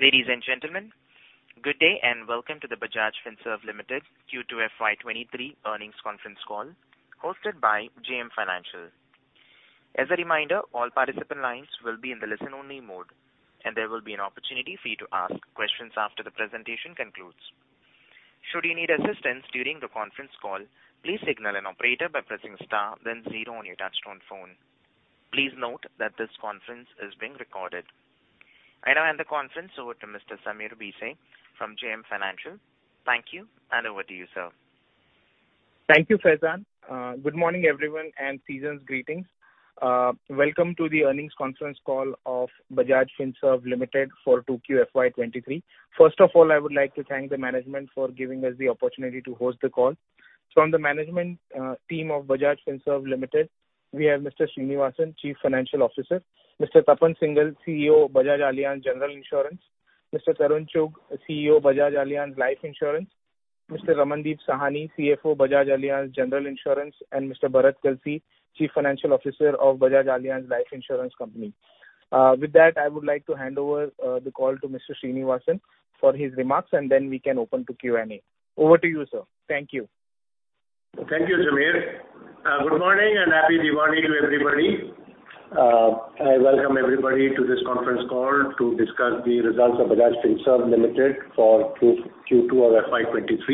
Ladies and gentlemen, good day, and welcome to the Bajaj Finserv Limited Q2 FY23 earnings conference call hosted by JM Financial. As a reminder, all participant lines will be in the listen only mode, and there will be an opportunity for you to ask questions after the presentation concludes. Should you need assistance during the conference call, please signal an operator by pressing star then zero on your touchtone phone. Please note that this conference is being recorded. I now hand the conference over to Mr. Sameer Bhise from JM Financial. Thank you, and over to you, sir. Thank you, Faizan. Good morning, everyone, and season's greetings. Welcome to the earnings conference call of Bajaj Finserv Limited for 2Q FY23. First of all, I would like to thank the management for giving us the opportunity to host the call. From the management team of Bajaj Finserv Limited, we have Mr. Sreenivasan, Chief Financial Officer, Mr. Tapan Singhel, CEO, Bajaj Allianz General Insurance, Mr. Tarun Chugh, CEO, Bajaj Allianz Life Insurance, Mr. Ramandeep Sahni, CFO, Bajaj Allianz General Insurance, and Mr. Bharat Kalsi, Chief Financial Officer of Bajaj Allianz Life Insurance Company. With that, I would like to hand over the call to Mr. Sreenivasan for his remarks, and then we can open to Q&A. Over to you, sir. Thank you. Thank you, Sameer. Good morning and Happy Diwali to everybody. I welcome everybody to this conference call to discuss the results of Bajaj Finserv Limited for Q2 of FY23.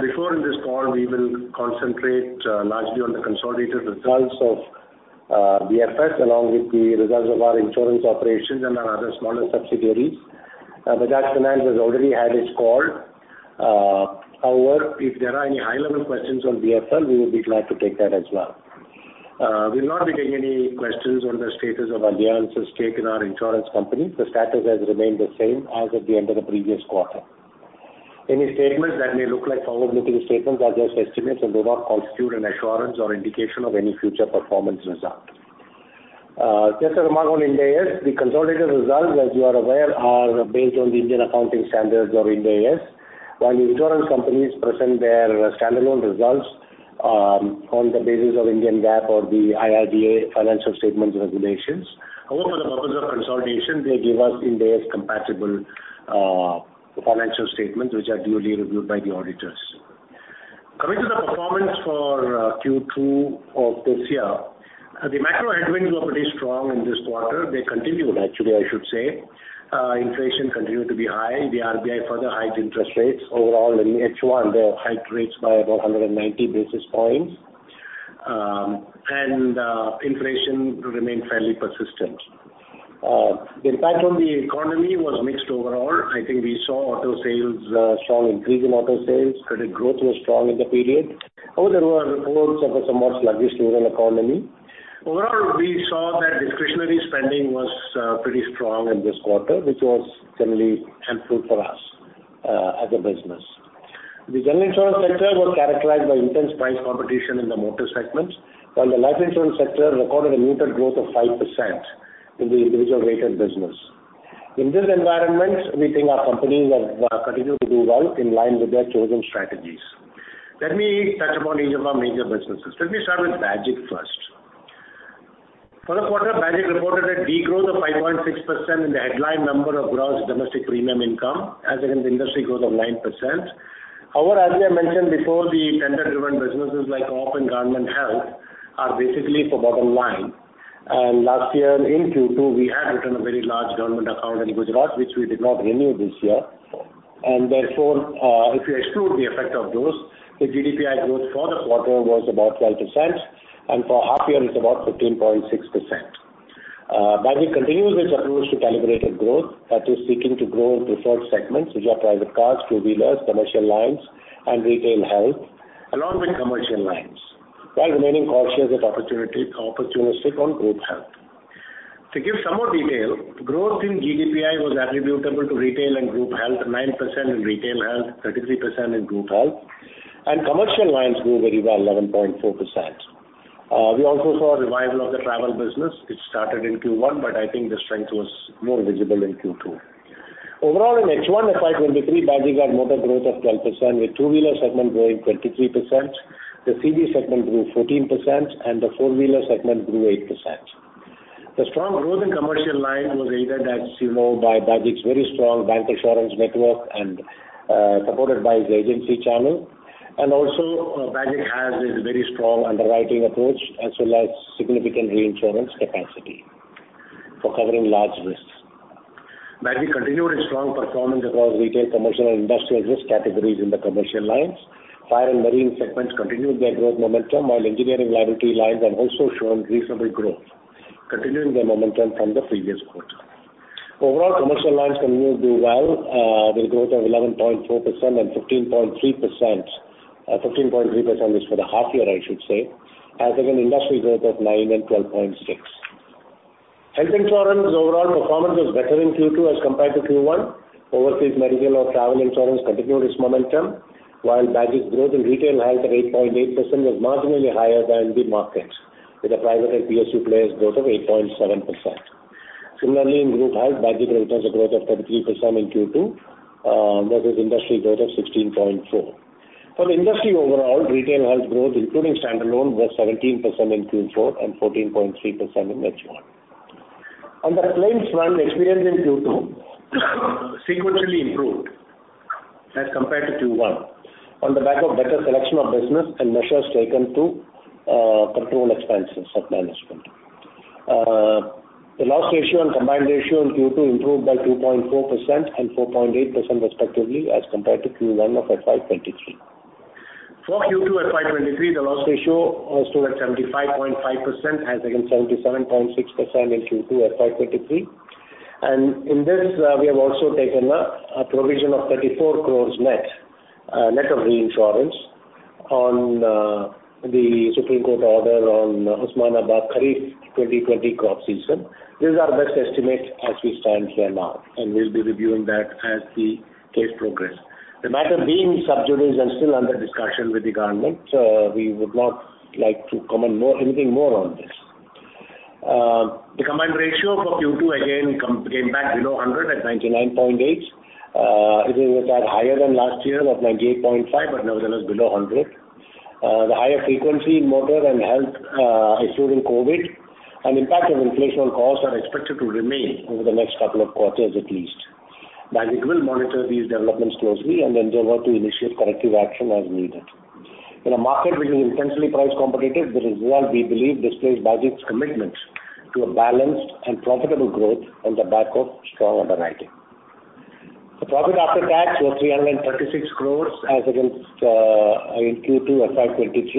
Before in this call, we will concentrate largely on the consolidated results of BFS along with the results of our insurance operations and our other smaller subsidiaries. Bajaj Finance has already had its call. However, if there are any high-level questions on BFL, we will be glad to take that as well. We'll not be taking any questions on the status of Allianz's stake in our insurance company. The status has remained the same as at the end of the previous quarter. Any statements that may look like forward-looking statements are just estimates, and they don't constitute an assurance or indication of any future performance result. Just a remark on Ind AS, the consolidated results, as you are aware, are based on the Indian accounting standards or Ind AS. While the insurance companies present their standalone results on the basis of Indian GAAP or the IRDA Financial Statement Regulations. However, for the purpose of consolidation, they give us Ind AS compatible financial statements which are duly reviewed by the auditors. Coming to the performance for Q2 of this year, the macro headwinds were pretty strong in this quarter. They continued, actually, I should say. Inflation continued to be high. The RBI further hiked interest rates. Overall in H1, they hiked rates by about 190 basis points. Inflation remained fairly persistent. The impact on the economy was mixed overall. I think we saw strong increase in auto sales. Credit growth was strong in the period. However, there were reports of a somewhat sluggish rural economy. Overall, we saw that discretionary spending was pretty strong in this quarter, which was generally helpful for us as a business. The general insurance sector was characterized by intense price competition in the motor segments, while the life insurance sector recorded a muted growth of 5% in the individual rated business. In this environment, we think our companies have continued to do well in line with their chosen strategies. Let me touch upon each of our major businesses. Let me start with Bajaj first. For the quarter, Bajaj reported a degrowth of 5.6% in the headline number of gross domestic premium income, as against industry growth of 9%. However, as I mentioned before, the tender-driven businesses like co-op and government health are basically for bottom line. Last year in Q2, we had written a very large government account in Gujarat, which we did not renew this year. Therefore, if you exclude the effect of those, the GDPI growth for the quarter was about 12% and for half year it's about 15.6%. Bajaj continues its approach to calibrated growth that is seeking to grow in preferred segments, which are private cars, two-wheelers, commercial lines and retail health along with commercial lines, while remaining cautious, opportunistic on group health. To give some more detail, growth in GDPI was attributable to retail and group health, 9% in retail health, 33% in group health and commercial lines grew very well, 11.4%. We also saw a revival of the travel business, which started in Q1, but I think the strength was more visible in Q2. Overall in H1 FY23, Bajaj had motor growth of 12%, with two-wheeler segment growing 23%, the CV segment grew 14% and the four-wheeler segment grew 8%. The strong growth in commercial line was aided as you know by Bajaj's very strong bancassurance network and supported by the agency channel. Bajaj has a very strong underwriting approach as well as significant reinsurance capacity for covering large risks. Bajaj continued its strong performance across retail, commercial and industrial risk categories in the commercial lines. Fire and marine segments continued their growth momentum, while engineering liability lines have also shown reasonable growth, continuing their momentum from the previous quarter. Overall, commercial lines continued to do well, with a growth of 11.4% and 15.3%. 15.3% is for the half year, I should say, as against industry growth of 9% and 12.6%. Health insurance overall performance was better in Q2 as compared to Q1. Overseas medical or travel insurance continued its momentum, while Bajaj's growth in retail health at 8.8% was marginally higher than the market, with the private and PSU players growth of 8.7%. Similarly, in group health, Bajaj maintains a growth of 33% in Q2, versus industry growth of 16.4%. For the industry overall, retail health growth, including standalone, was 17% in Q4 and 14.3% in H1. On the claims front, experience in Q2 sequentially improved as compared to Q1 on the back of better selection of business and measures taken to control expenses at management. The loss ratio and combined ratio in Q2 improved by 2.4% and 4.8% respectively as compared to Q1 of FY23. For Q2 FY23, the loss ratio stood at 75.5% as against 77.6% in Q2 FY23. In this, we have also taken a provision of 34 crore net of reinsurance on the Supreme Court order on Osmanabad Kharif 2020 crop season. This is our best estimate as we stand here now, and we'll be reviewing that as the case progress. The matter being sub judice and still under discussion with the government, we would not like to comment anymore on this. The combined ratio for Q2 again came back below 100 at 99.8. It was higher than last year of 98.5, but nevertheless below 100. The higher frequency in motor and health, excluding COVID, and impact of inflation on costs are expected to remain over the next couple of quarters at least. BAGIC will monitor these developments closely and endeavor to initiate corrective action as needed. In a market which is intensely price competitive, this is what we believe displays BAGIC's commitment to a balanced and profitable growth on the back of strong underwriting. The profit after tax was 336 crore as against in Q2 FY23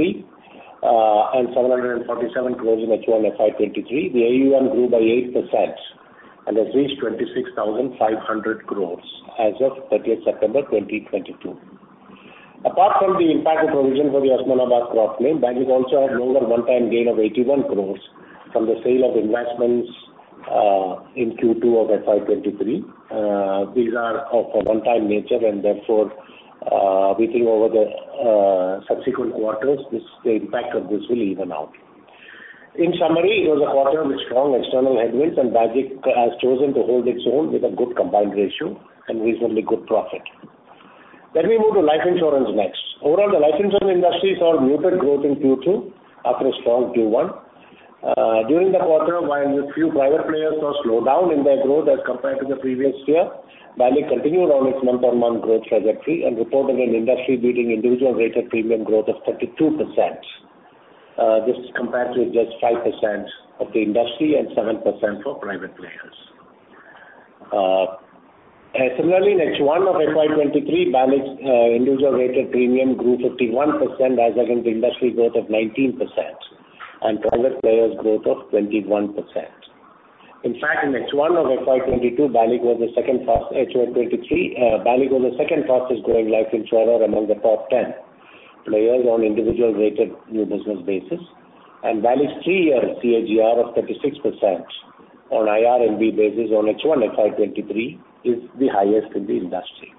and 747 crore in H1 FY23. The AUM grew by 8% and has reached 26,500 crore as of 30 September 2022. Apart from the impact of provision for the Osmanabad crop claim, Bajaj also had lower one-time gain of 81 crore from the sale of investments in Q2 of FY23. These are of a one-time nature and therefore we think over the subsequent quarters the impact of this will even out. In summary, it was a quarter with strong external headwinds and Bajaj has chosen to hold its own with a good combined ratio and reasonably good profit. Let me move to life insurance next. Overall, the life insurance industry saw muted growth in Q2 after a strong Q1. During the quarter, while a few private players saw slowdown in their growth as compared to the previous year, Bajaj continued on its month-on-month growth trajectory and reported an industry-leading individual rated premium growth of 32%. This is compared to just 5% of the industry and 7% for private players. Similarly, in H1 of FY23, Bajaj individual rated premium grew 51% as against industry growth of 19% and private players growth of 21%. In fact, in H1 of FY23, Bajaj was the second fastest growing life insurer among the top ten players on individual rated new business basis. Bajaj's 3-year CAGR of 36% on IRNB basis on H1 FY23 is the highest in the industry.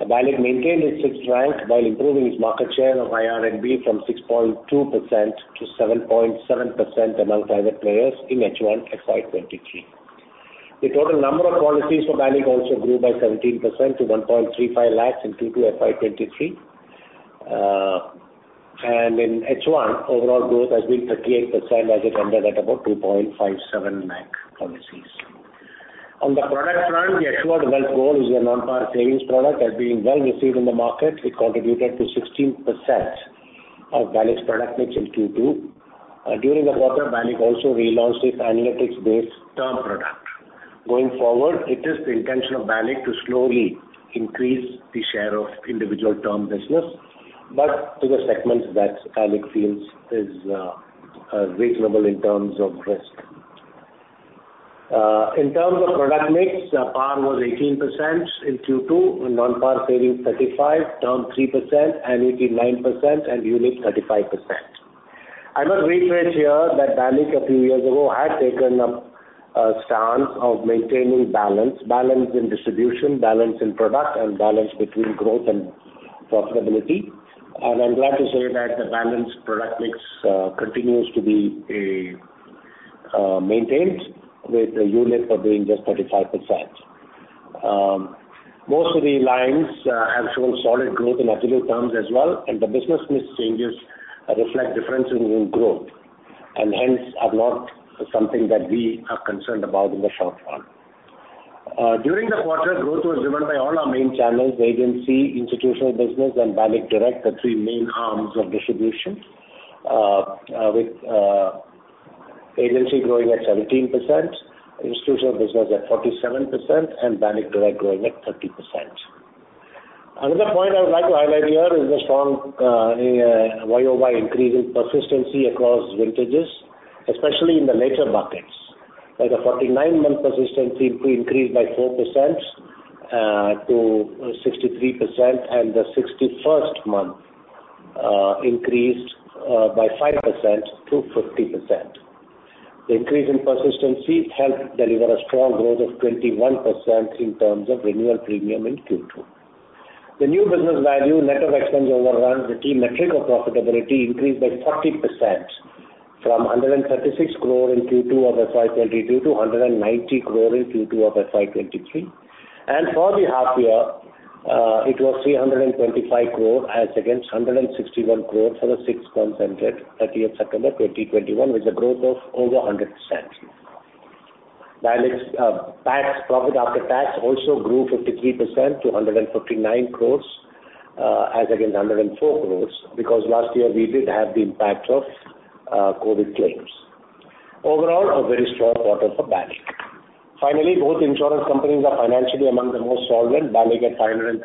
Bajaj maintained its sixth rank while improving its market share of IRNB from 6.2% to 7.7% among private players in H1 FY23. The total number of policies for Bajaj also grew by 17% to 1.35 lakhs in Q2 FY23. In H1, overall growth has been 38% as it ended at about 2.57 lakh policies. On the product front, the Assured Wealth Goal, a non-par savings product, has been well received in the market. It contributed to 16% of Bajaj's product mix in Q2. During the quarter, Bajaj also relaunched its analytics-based term product. Going forward, it is the intention of Bajaj to slowly increase the share of individual term business, but to the segments that Bajaj feels is reasonable in terms of risk. In terms of product mix, par was 18% in Q2, non-par savings 35%, term 3%, annuity 9%, and unit 35%. I must reiterate here that Bajaj a few years ago had taken a stance of maintaining balance in distribution, balance in product, and balance between growth and profitability. I'm glad to say that the balanced product mix continues to be maintained with the unit-linked being just 35%. Most of the lines have shown solid growth in absolute terms as well, and the business mix changes reflect difference in growth, and hence are not something that we are concerned about in the short run. During the quarter, growth was driven by all our main channels, agency, institutional business, and Bajaj Direct, the three main arms of distribution, with agency growing at 17%, institutional business at 47%, and Bajaj Direct growing at 30%. Another point I would like to highlight here is the strong YOY increase in persistency across vintages, especially in the later buckets. Like the 49-month persistency increased by 4% to 63%, and the 61st month increased by 5% to 50%. The increase in persistency helped deliver a strong growth of 21% in terms of renewal premium in Q2. The new business value net of expense overrun, the key metric of profitability, increased by 40% from 136 crore in Q2 of FY 2022 to 190 crore in Q2 of FY 2023. For the half year, it was 325 crore as against 161 crore for the six months ended 30th September 2021, with a growth of over 100%. Balanced PAT, profit after tax also grew 53% to 159 crore as against 104 crore because last year we did have the impact of COVID claims. Overall, a very strong quarter for BALIC. Finally, both insurance companies are financially among the most solvent, BALIC at 532%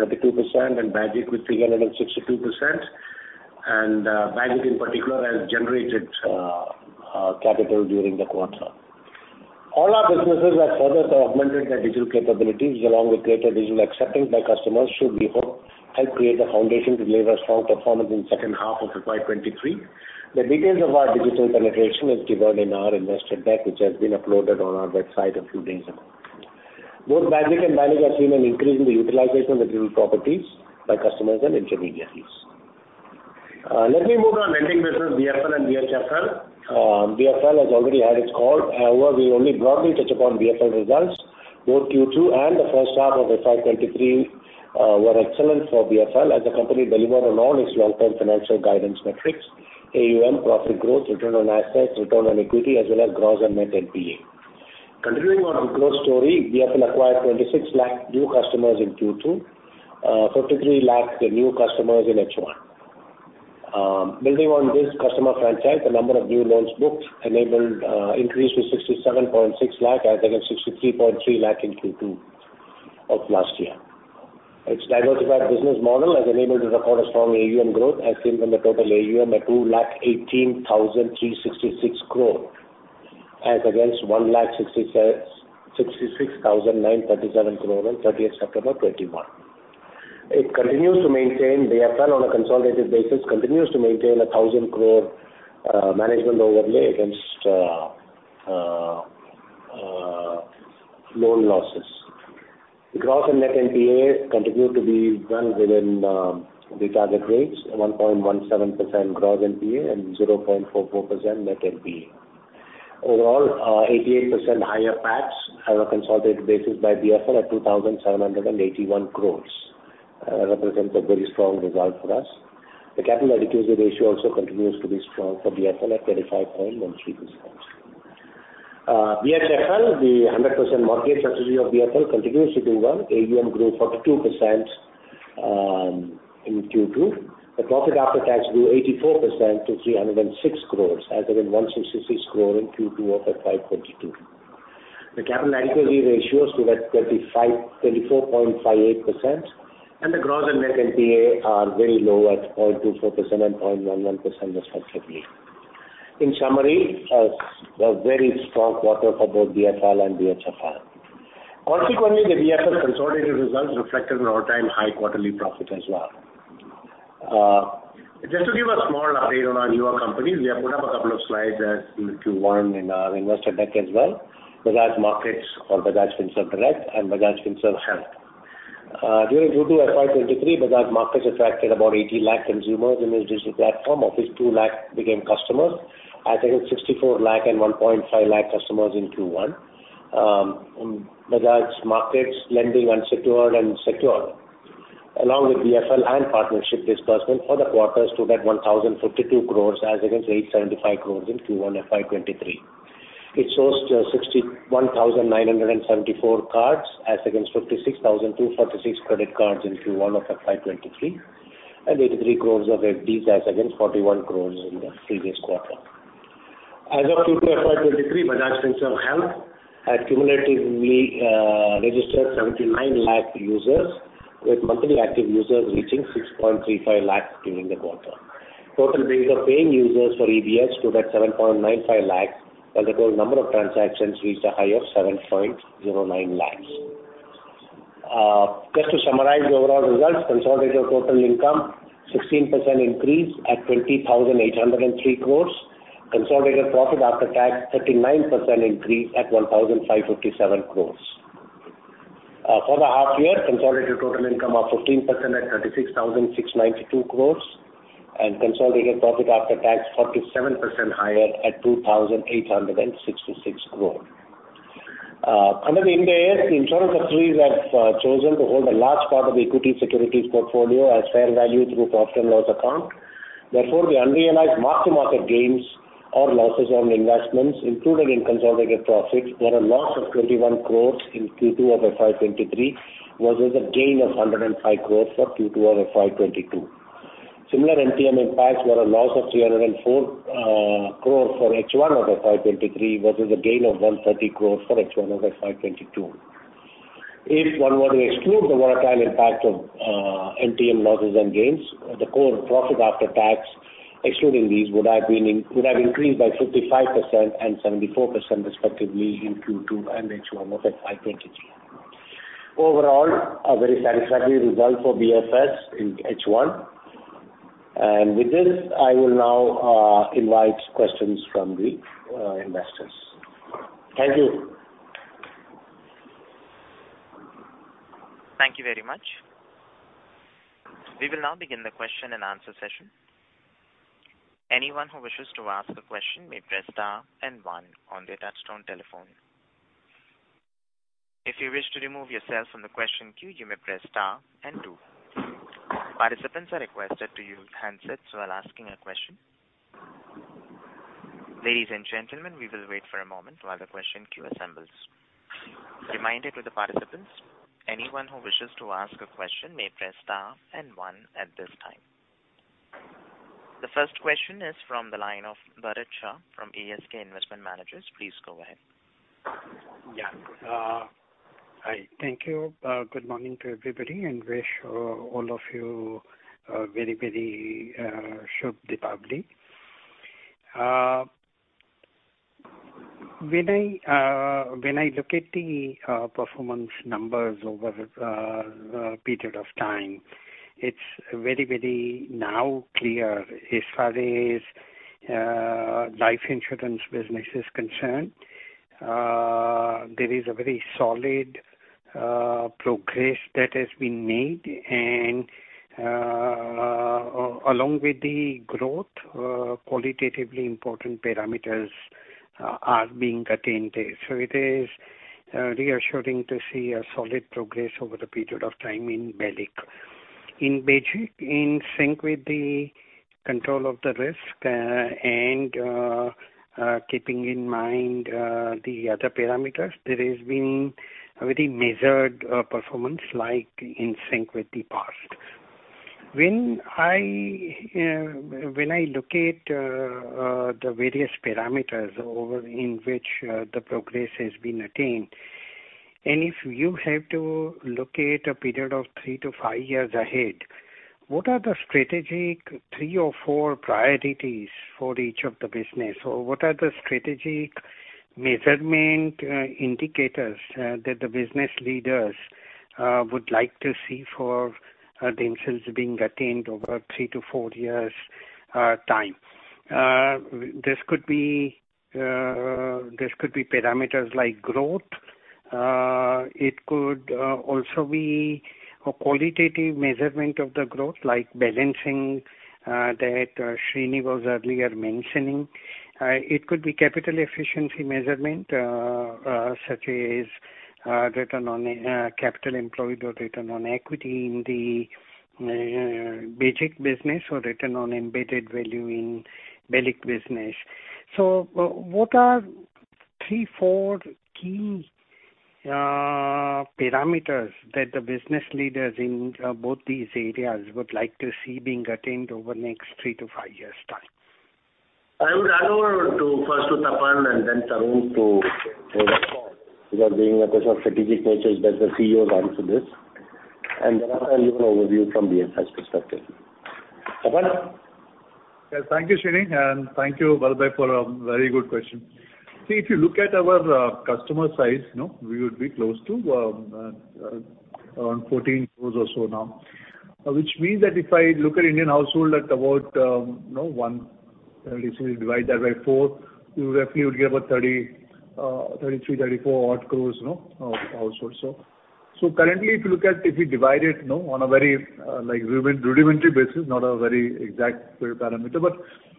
and BAGIC with 362%. BAGIC, in particular, has generated capital during the quarter. All our businesses have further augmented their digital capabilities, along with greater digital acceptance by customers should, we hope, help create the foundation to deliver strong performance in second half of FY23. The details of our digital penetration is given in our investor deck, which has been uploaded on our website a few days ago. Both BAGIC and BALIC have seen an increase in the utilization of digital properties by customers and intermediaries. Let me move on to the lending business, BFL and BHFL. BFL has already had its call. However, we only broadly touch upon BFL results. Both Q2 and the first half of FY23 were excellent for BFL as the company delivered on all its long-term financial guidance metrics, AUM, profit growth, return on assets, return on equity, as well as gross and net NPA. Continuing on the growth story, BFL acquired 26 lakh new customers in Q2, 53 lakh new customers in H1. Building on this customer franchise, the number of new loans booked enabled increase to 67.6 lakh as against 63.3 lakh in Q2 of last year. Its diversified business model has enabled to record a strong AUM growth as seen from the total AUM at 218,366 crore as against 166,937 crore on 30 September 2021. BFL on a consolidated basis continues to maintain 1,000 crore management overlay against loan losses. Gross and net NPA continue to be well within the target rates, 1.17% gross NPA and 0.44% net NPA. Overall, 88% higher PAT on a consolidated basis by BFL at 2,781 crore represents a very strong result for us. The capital adequacy ratio also continues to be strong for BFL at 35.13%. BHFL, the 100% mortgage subsidiary of BFL, continues to do well. AUM grew 42% in Q2. The profit after tax grew 84% to 306 crore as against 166 crore in Q2 of FY 2022. The capital adequacy ratio stood at 24.58%, and the gross and net NPA are very low at 0.24% and 0.11% respectively. In summary, a very strong quarter for both BFL and BHFL. Consequently, the BFS consolidated results reflected an all-time high quarterly profit as well. Just to give a small update on our newer companies, we have put up a couple of slides as in Q1 in our investor deck as well. Bajaj Markets or Bajaj Finserv Direct and Bajaj Finserv Health. During Q2 FY23, Bajaj Markets attracted about 80 lakh consumers in its digital platform, of which 2 lakh became customers as against 64 lakh and 1.5 lakh customers in Q1. Bajaj Markets lending unsecured and secured along with BFL and partnership disbursement for the quarter stood at 1,052 crore as against 875 crore in Q1 FY23. It sourced 61,974 cards as against 56,246 credit cards in Q1 of FY23, and 83 crore of FD as against 41 crore in the previous quarter. As of Q2 FY23, Bajaj Finserv Health had cumulatively registered 79 lakh users with monthly active users reaching 6.35 lakh during the quarter. Total base of paying users for EDH stood at 7.95 lakhs, while the total number of transactions reached a high of 7.09 lakhs. Just to summarize the overall results, consolidated total income 16% increase at 20,803 crore. Consolidated profit after tax, 39% increase at 1,557 crore. For the half year, consolidated total income up 15% at 36,692 crore, and consolidated profit after tax 47% higher at 2,866 crore. Under the Ind AS, insurance subsidiaries have chosen to hold a large part of the equity securities portfolio as fair value through profit and loss account. Therefore, the unrealized mark-to-market gains or losses on investments included in consolidated profits were a loss of 21 crore in Q2 of FY 2023 versus a gain of 105 crore for Q2 of FY 2022. Similar MTM impacts were a loss of 304 crore for H1 of FY 2023 versus a gain of 130 crore for H1 of FY 2022. If one were to exclude the volatile impact of MTM losses and gains, the core profit after tax, excluding these, would have increased by 55% and 74% respectively in Q2 and H1 of FY 2023. Overall, a very satisfactory result for BFS in H1. With this, I will now invite questions from the investors. Thank you. Thank you very much. We will now begin the question and answer session. Anyone who wishes to ask a question may press star and one on their touch-tone telephone. If you wish to remove yourself from the question queue, you may press star and two. Participants are requested to use handsets while asking a question. Ladies and gentlemen, we will wait for a moment while the question queue assembles. Reminder to the participants, anyone who wishes to ask a question may press star and one at this time. The first question is from the line of Bharat Shah from ASK Investment Managers. Please go ahead. Yeah. Hi. Thank you. Good morning to everybody and wish all of you a very Shubh Deepavali. When I look at the performance numbers over the period of time, it's very now clear as far as life insurance business is concerned. There is a very solid progress that has been made and, along with the growth, qualitatively important parameters are being attained. It is reassuring to see a solid progress over the period of time in BALIC. In BAGIC, in sync with the control of the risk, and keeping in mind the other parameters, there has been a very measured performance like in sync with the past. When I look at the various parameters over in which the progress has been attained, and if you have to look at a period of 3-5 years ahead, what are the strategic 3 or 4 priorities for each of the business? Or what are the strategic measurement indicators that the business leaders would like to see for themselves being attained over 3-4 years time? This could be parameters like growth. It could also be a qualitative measurement of the growth like balancing that Srini was earlier mentioning. It could be capital efficiency measurement such as return on capital employed or return on equity in the BAGIC business or return on embedded value in BALIC business. What are 3, 4 key parameters that the business leaders in both these areas would like to see being attained over next 3-5 years' time? I would hand over first to Tapan and then Tarun to respond because being a question of strategic nature it's best the CEO answer this. Then I'll give an overview from the FI perspective. Tapan? Yes. Thank you, Srini, and thank you, Bal brother, for a very good question. See, if you look at our customer size, you know, we would be close to around 14 crores or so now. Which means that if I look at Indian household at about, you know, one, if we divide that by four, we roughly would get about 33-34 odd crores, you know, household. Currently, if you look at, if we divide it, you know, on a very like rudimentary basis, not a very exact parameter, but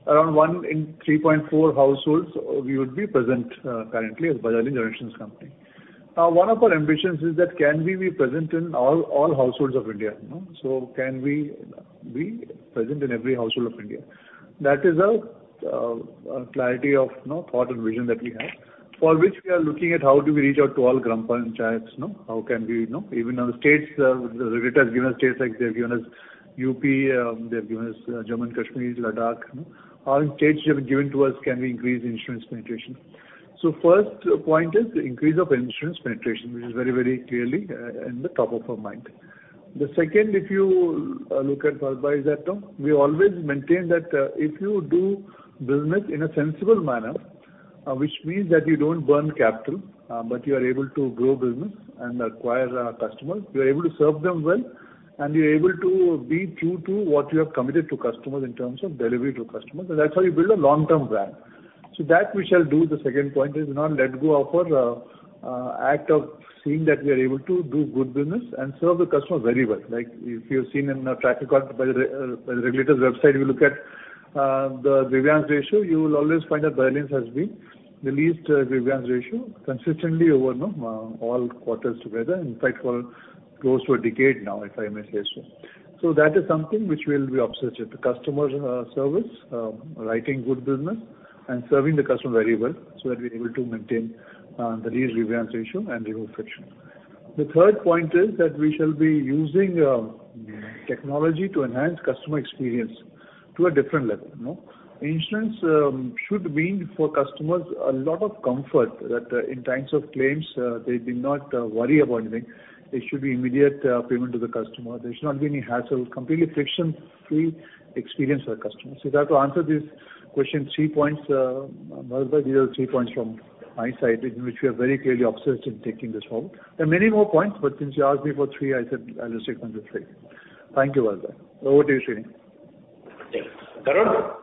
around one in 3.4 households, we would be present currently as Bajaj Allianz General Insurance Company. One of our ambitions is that can we be present in all households of India, you know. Can we be present in every household of India? That is a clarity of, you know, thought and vision that we have, for which we are looking at how do we reach out to all Gram Panchayats, you know, how can we, you know. Even now the states, the regulator has given us states like they've given us UP, they've given us, Jammu and Kashmir, Ladakh, you know. All states which have been given to us, can we increase insurance penetration? First point is the increase of insurance penetration, which is very, very clearly, in the top of our mind. The second, if you look at Bharat Shah is that, we always maintain that, if you do business in a sensible manner, which means that you don't burn capital, but you are able to grow business and acquire our customers, you're able to serve them well, and you're able to be true to what you have committed to customers in terms of delivery to customers, then that's how you build a long-term brand. That we shall do the second point is not let go of our act of seeing that we are able to do good business and serve the customers very well. Like if you've seen in a track record by the regulators website, you look at the grievance ratio, you will always find that Bajaj Allianz has been the least grievance ratio consistently over, you know, all quarters together. In fact, for close to a decade now, if I may say so. That is something which we'll be obsessed with. The customer service, writing good business and serving the customer very well so that we're able to maintain the least grievance ratio and zero friction. The third point is that we shall be using technology to enhance customer experience to a different level, you know. Insurance should mean for customers a lot of comfort that in times of claims, they need not worry about anything. There should be immediate payment to the customer. There should not be any hassle, completely friction-free experience for the customer. To answer this question, three points, Bharat Shah, these are three points from my side in which we are very clearly obsessed in taking this home. There are many more points, but since you asked me for three, I said I'll stick on the three. Thank you, Bharat Shah. Over to you, Srini. Yes. Tarun? Only you. Tarun Chugh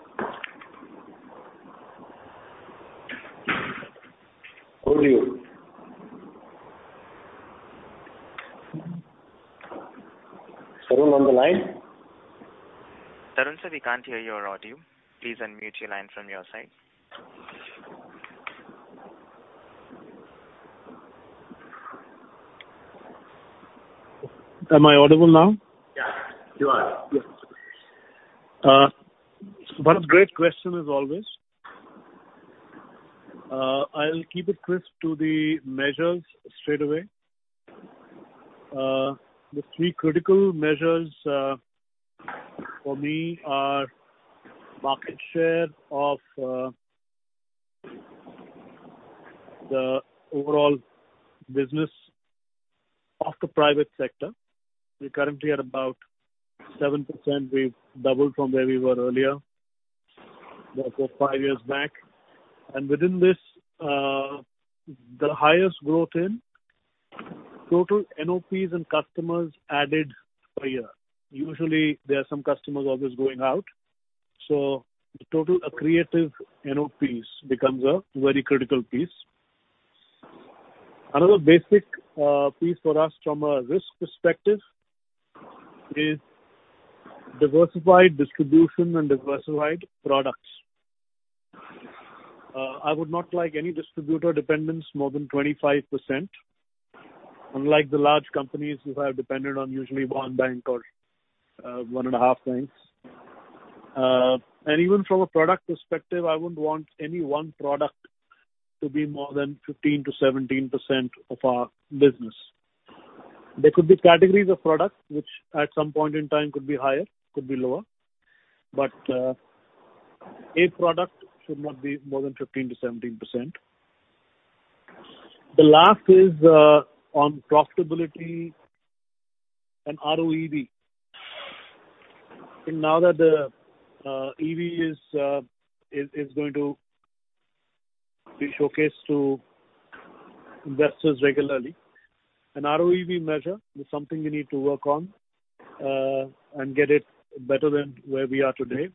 on the line. Tarun, sir, we can't hear your audio. Please unmute your line from your side. Am I audible now? Yeah, you are. Yes. One great question as always. I'll keep it crisp to the measures straight away. The three critical measures for me are market share of the overall business of the private sector. We're currently at about 7%. We've doubled from where we were earlier, about 4-5 years back. Within this, the highest growth in total NOPs and customers added per year. Usually, there are some customers always going out, so the total accretive NOPs becomes a very critical piece. Another basic piece for us from a risk perspective is diversified distribution and diversified products. I would not like any distributor dependence more than 25%, unlike the large companies who have depended on usually one bank or 1.5 banks. Even from a product perspective, I wouldn't want any one product to be more than 15%-17% of our business. There could be categories of products which at some point in time could be higher, could be lower, but a product should not be more than 15%-17%. The last is on profitability and ROEV. Now that the EV is going to be showcased to investors regularly, an ROEV measure is something we need to work on and get it better than where we are today,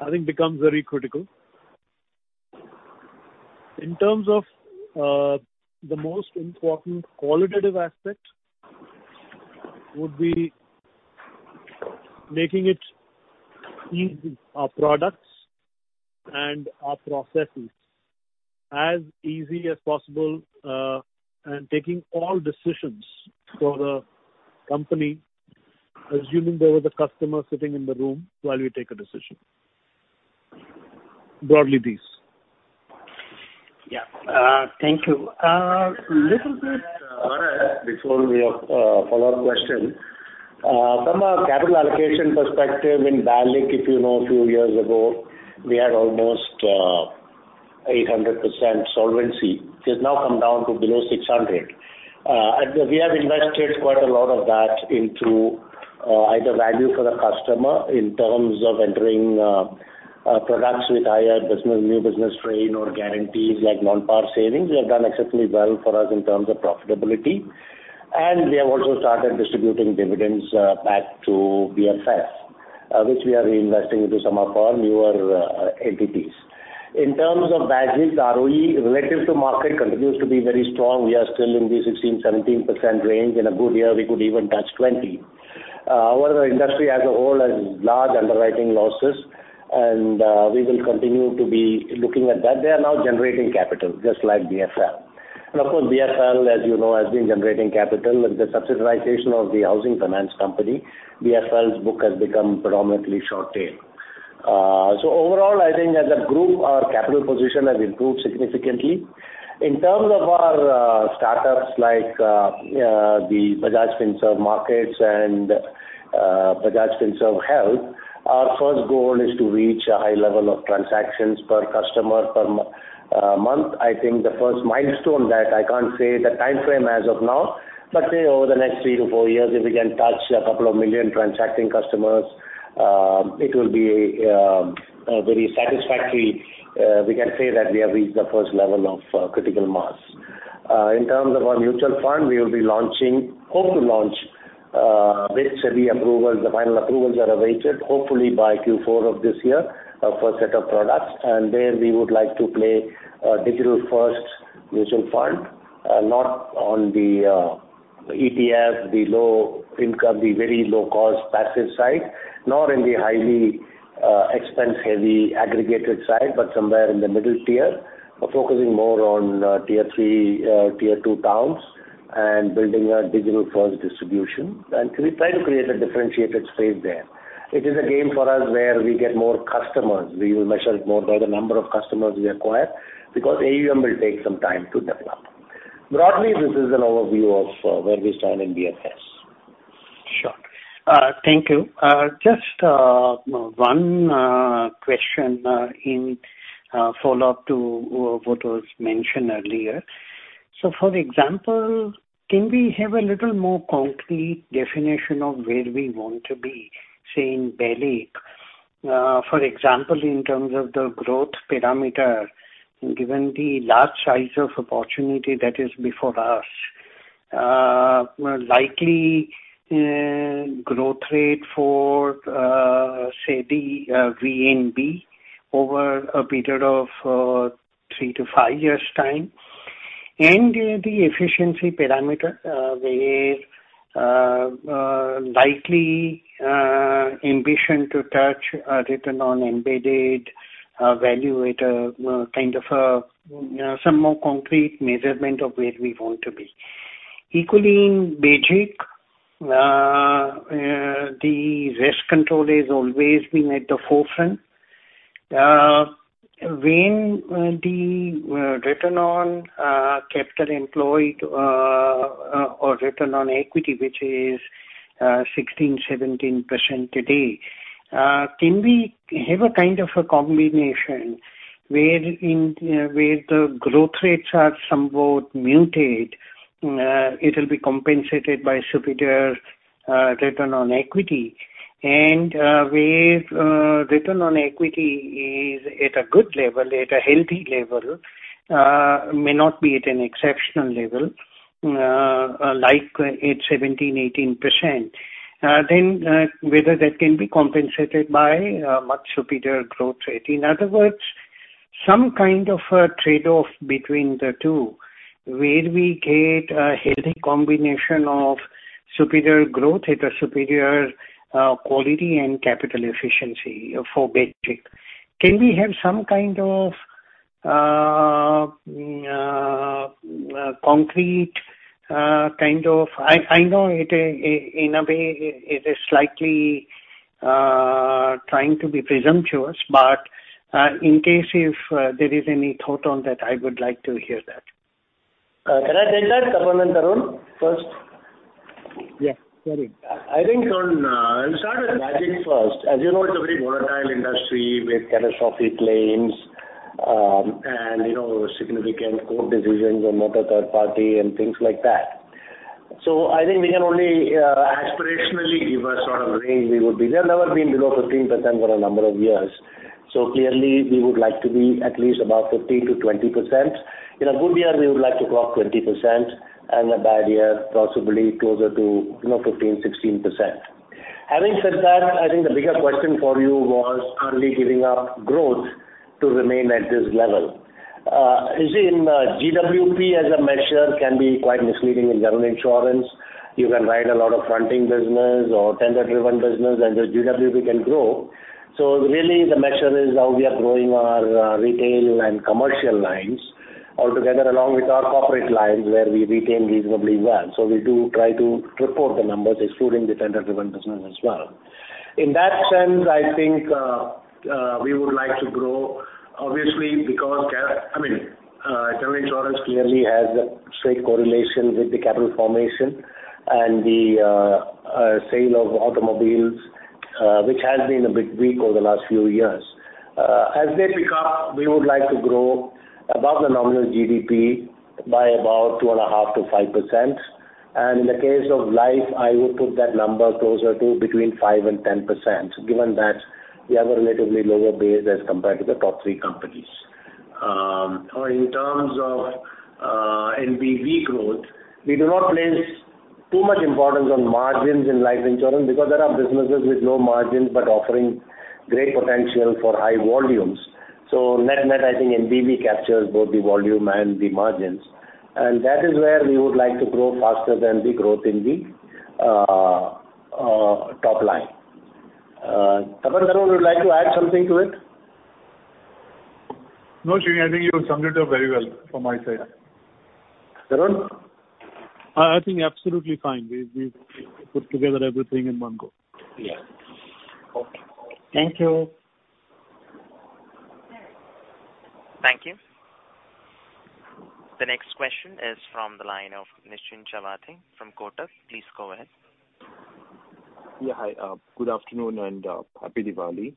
I think becomes very critical. In terms of the most important qualitative aspect would be making it easy, our products and our processes as easy as possible and taking all decisions for the company, assuming there was a customer sitting in the room while we take a decision. Broadly, these. Yeah. Thank you. Before we have follow-up question from a capital allocation perspective in BALIC, you know, a few years ago, we had almost 800% solvency, which has now come down to below 600. We have invested quite a lot of that into either value for the customer in terms of entering products with higher business, new business strain or guarantees like non-par savings. They have done exceptionally well for us in terms of profitability. We have also started distributing dividends back to BFS, which we are reinvesting into some of our newer entities. In terms of BALIC's ROE relative to market continues to be very strong. We are still in the 16%-17% range. In a good year, we could even touch 20%. Our industry as a whole has large underwriting losses and we will continue to be looking at that. They are now generating capital just like BFL. Of course, BFL, as you know, has been generating capital. With the subsidization of the housing finance company, BFL's book has become predominantly short tail. So overall, I think as a group, our capital position has improved significantly. In terms of our startups like the Bajaj Finserv Markets and Bajaj Finserv Health, our first goal is to reach a high level of transactions per customer per month. I think the first milestone that I can't say the timeframe as of now, but say over the next 3-4 years, if we can touch 2 million transacting customers, it will be a very satisfactory, we can say that we have reached the first level of critical mass. In terms of our mutual fund, we will be launching, hope to launch, with SEBI approval. The final approvals are awaited, hopefully by Q4 of this year, for a set of products. There we would like to play a digital-first mutual fund, not on the ETF, the low income, the very low cost passive side, nor in the highly expense-heavy aggregated side, but somewhere in the middle tier, focusing more on tier 3, tier 2 towns and building a digital-first distribution. We try to create a differentiated space there. It is a game for us where we get more customers. We will measure it more by the number of customers we acquire because AUM will take some time to develop. Broadly, this is an overview of where we stand in BFS. Sure. Thank you. Just one question in follow-up to what was mentioned earlier. For example, can we have a little more concrete definition of where we want to be, say, in Bajaj? For example, in terms of the growth parameter, given the large size of opportunity that is before us. Likely growth rate for, say, the VNB over a period of 3-5 years' time, and the efficiency parameter where likely ambition to touch a return on embedded value at a, well, kind of a some more concrete measurement of where we want to be. Equally important, the risk control has always been at the forefront. When the return on capital employed or return on equity, which is 16%-17% today, can we have a kind of a combination where the growth rates are somewhat muted, it'll be compensated by superior return on equity. Where return on equity is at a good level, at a healthy level, may not be at an exceptional level, like it's 17%-18%, then whether that can be compensated by a much superior growth rate. In other words, some kind of a trade-off between the two where we get a healthy combination of superior growth at a superior quality and capital efficiency for Bajaj. Can we have some kind of concrete kind of. I know it, in a way it is slightly trying to be presumptuous, but in case if there is any thought on that, I would like to hear that. Can I take that, Tapan and Tarun first? Yeah, go ahead. I think I'll start with basic first. As you know, it's a very volatile industry with catastrophic claims, and, you know, significant court decisions and not a third party and things like that. I think we can only aspirationally give a sort of range we would be. We have never been below 15% for a number of years, so clearly we would like to be at least above 15%-20%. In a good year, we would like to cross 20% and a bad year, possibly closer to, you know, 15, 16%. Having said that, I think the bigger question for you was are we giving up growth to remain at this level. You see in GWP as a measure can be quite misleading in general insurance. You can write a lot of fronting business or tender-driven business, and the GWP can grow. Really the measure is how we are growing our retail and commercial lines all together along with our corporate lines where we retain reasonably well. We do try to report the numbers excluding the tender-driven business as well. In that sense, I think we would like to grow obviously because I mean general insurance clearly has a straight correlation with the capital formation and the sale of automobiles, which has been a bit weak over the last few years. As they pick up, we would like to grow above the nominal GDP by about 2.5%-5%. In the case of life, I would put that number closer to between 5% and 10%, given that we have a relatively lower base as compared to the top three companies. Or in terms of NBV growth, we do not place too much importance on margins in life insurance because there are businesses with low margins but offering great potential for high volumes. So net, I think NBV captures both the volume and the margins, and that is where we would like to grow faster than the growth in the top line. Tapan, Tarun, would you like to add something to it? No, Srini, I think you've summed it up very well from my side. Tarun? I think absolutely fine. We've put together everything in one go. Yeah. Okay. Thank you. Thank you. The next question is from the line of Nischint Chawathe from Kotak. Please go ahead. Yeah. Hi. Good afternoon and happy Diwali.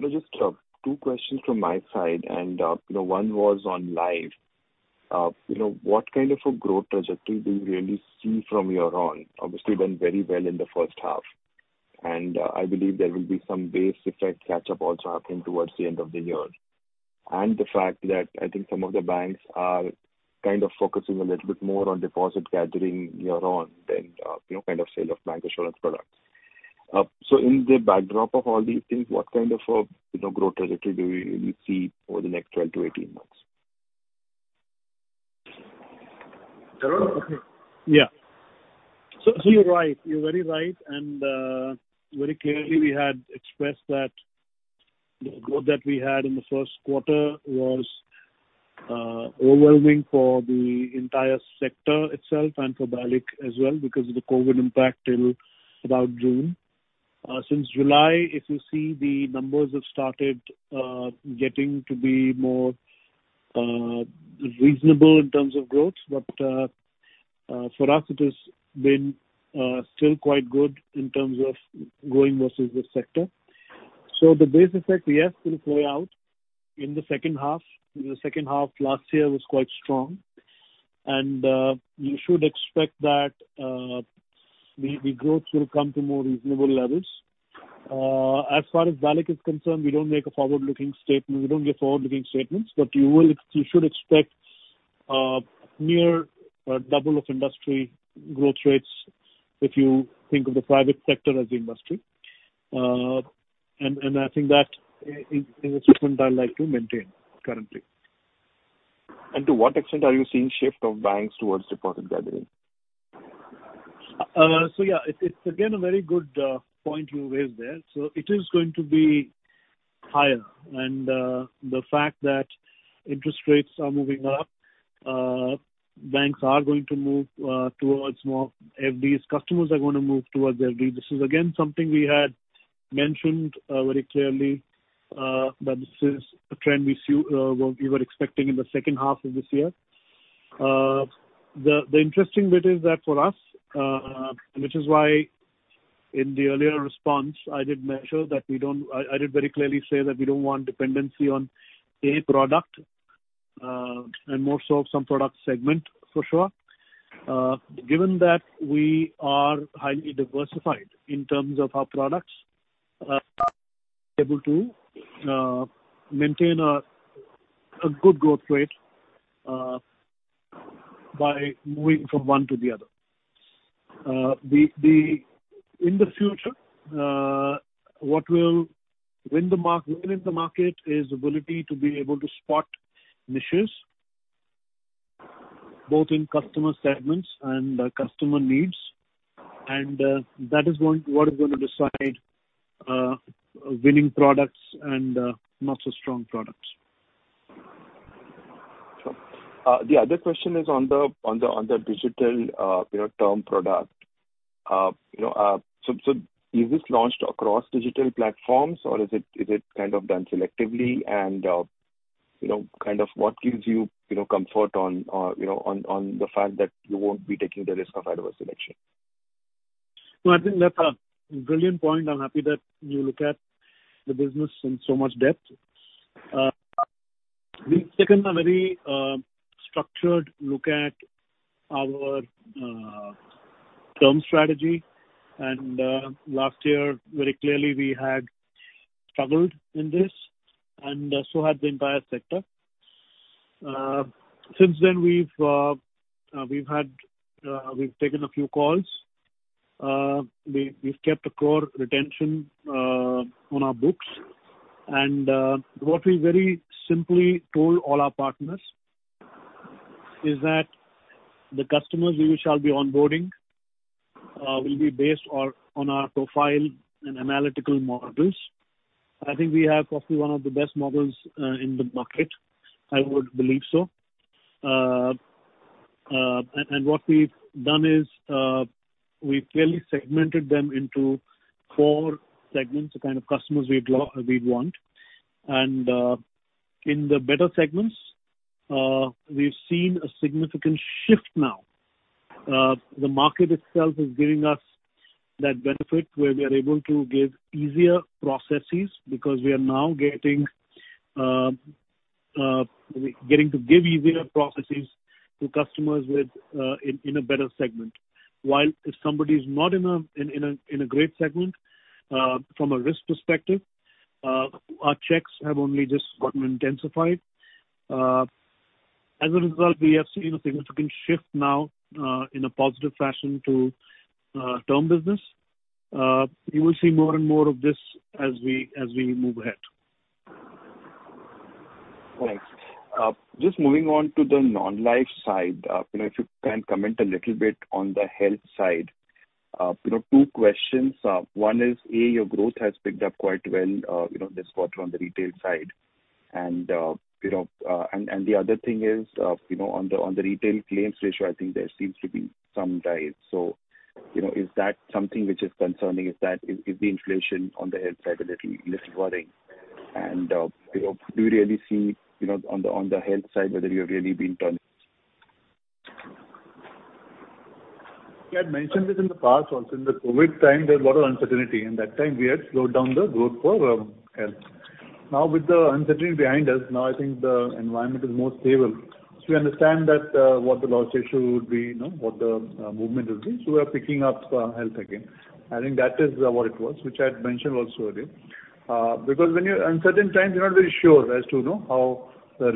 Just two questions from my side and, you know, one was on life. You know, what kind of a growth trajectory do you really see from year on? Obviously went very well in the first half, and I believe there will be some base effect catch up also happening towards the end of the year. The fact that I think some of the banks are kind of focusing a little bit more on deposit gathering year on than, you know, kind of sale of bank insurance products. In the backdrop of all these things, what kind of a, you know, growth trajectory do you really see over the next 12-18 months? Tarun? Yeah. You're right. You're very right. Very clearly we had expressed that the growth that we had in the first quarter was overwhelming for the entire sector itself and for BALIC as well because of the COVID impact till about June. Since July, if you see the numbers have started getting to be more reasonable in terms of growth. For us it has been still quite good in terms of growing versus the sector. The base effect, yes, will play out in the second half. The second half last year was quite strong. You should expect that the growth will come to more reasonable levels. As far as BALIC is concerned, we don't make a forward-looking statement. We don't give forward-looking statements, but you should expect near a double of industry growth rates if you think of the private sector as the industry. I think that is a statement I'd like to maintain currently. To what extent are you seeing shift of banks towards deposit gathering? Yeah, it's again a very good point you raised there. It is going to be higher and the fact that interest rates are moving up, banks are going to move towards more FDs. Customers are gonna move towards FD. This is again something we had mentioned very clearly that this is a trend we see, we were expecting in the second half of this year. The interesting bit is that for us, which is why in the earlier response I did very clearly say that we don't want dependency on a product, and more so some product segment for sure. Given that we are highly diversified in terms of our products, able to maintain a good growth rate by moving from one to the other. In the future, what will win in the market is ability to be able to spot niches both in customer segments and customer needs and that is what is gonna decide winning products and not so strong products. Sure. The other question is on the digital, you know, term product. You know, so is this launched across digital platforms or is it kind of done selectively and, you know, kind of what gives you know, comfort on, you know, on the fact that you won't be taking the risk of adverse selection? No, I think that's a brilliant point. I'm happy that you look at the business in so much depth. We've taken a very structured look at our term strategy and last year very clearly we had struggled in this and so had the entire sector. Since then we've taken a few calls. We've kept a core retention on our books and what we very simply told all our partners is that the customers we shall be onboarding will be based on our profile and analytical models. I think we have probably one of the best models in the market. I would believe so. What we've done is we've clearly segmented them into four segments, the kind of customers we'd want. In the better segments, we've seen a significant shift now. The market itself is giving us that benefit where we are able to give easier processes because we are now getting to give easier processes to customers within a better segment. While if somebody's not in a great segment from a risk perspective, our checks have only just gotten intensified. As a result, we have seen a significant shift now in a positive fashion to term business. You will see more and more of this as we move ahead. Thanks. Just moving on to the non-life side. You know, if you can comment a little bit on the health side. You know, two questions. One is, A, your growth has picked up quite well, you know, this quarter on the retail side. You know, the other thing is, you know, on the retail claims ratio, I think there seems to be some rise. You know, is that something which is concerning? Is that the inflation on the health side a little worrying? You know, do you really see, you know, on the health side whether you have really been done- We had mentioned this in the past also. In the COVID time there was a lot of uncertainty. In that time we had slowed down the growth for health. Now with the uncertainty behind us, now I think the environment is more stable. We understand that what the loss ratio would be, you know, what the movement will be. We are picking up health again. I think that is what it was, which I had mentioned also earlier. Because when you're in uncertain times you're not very sure as to, you know, how the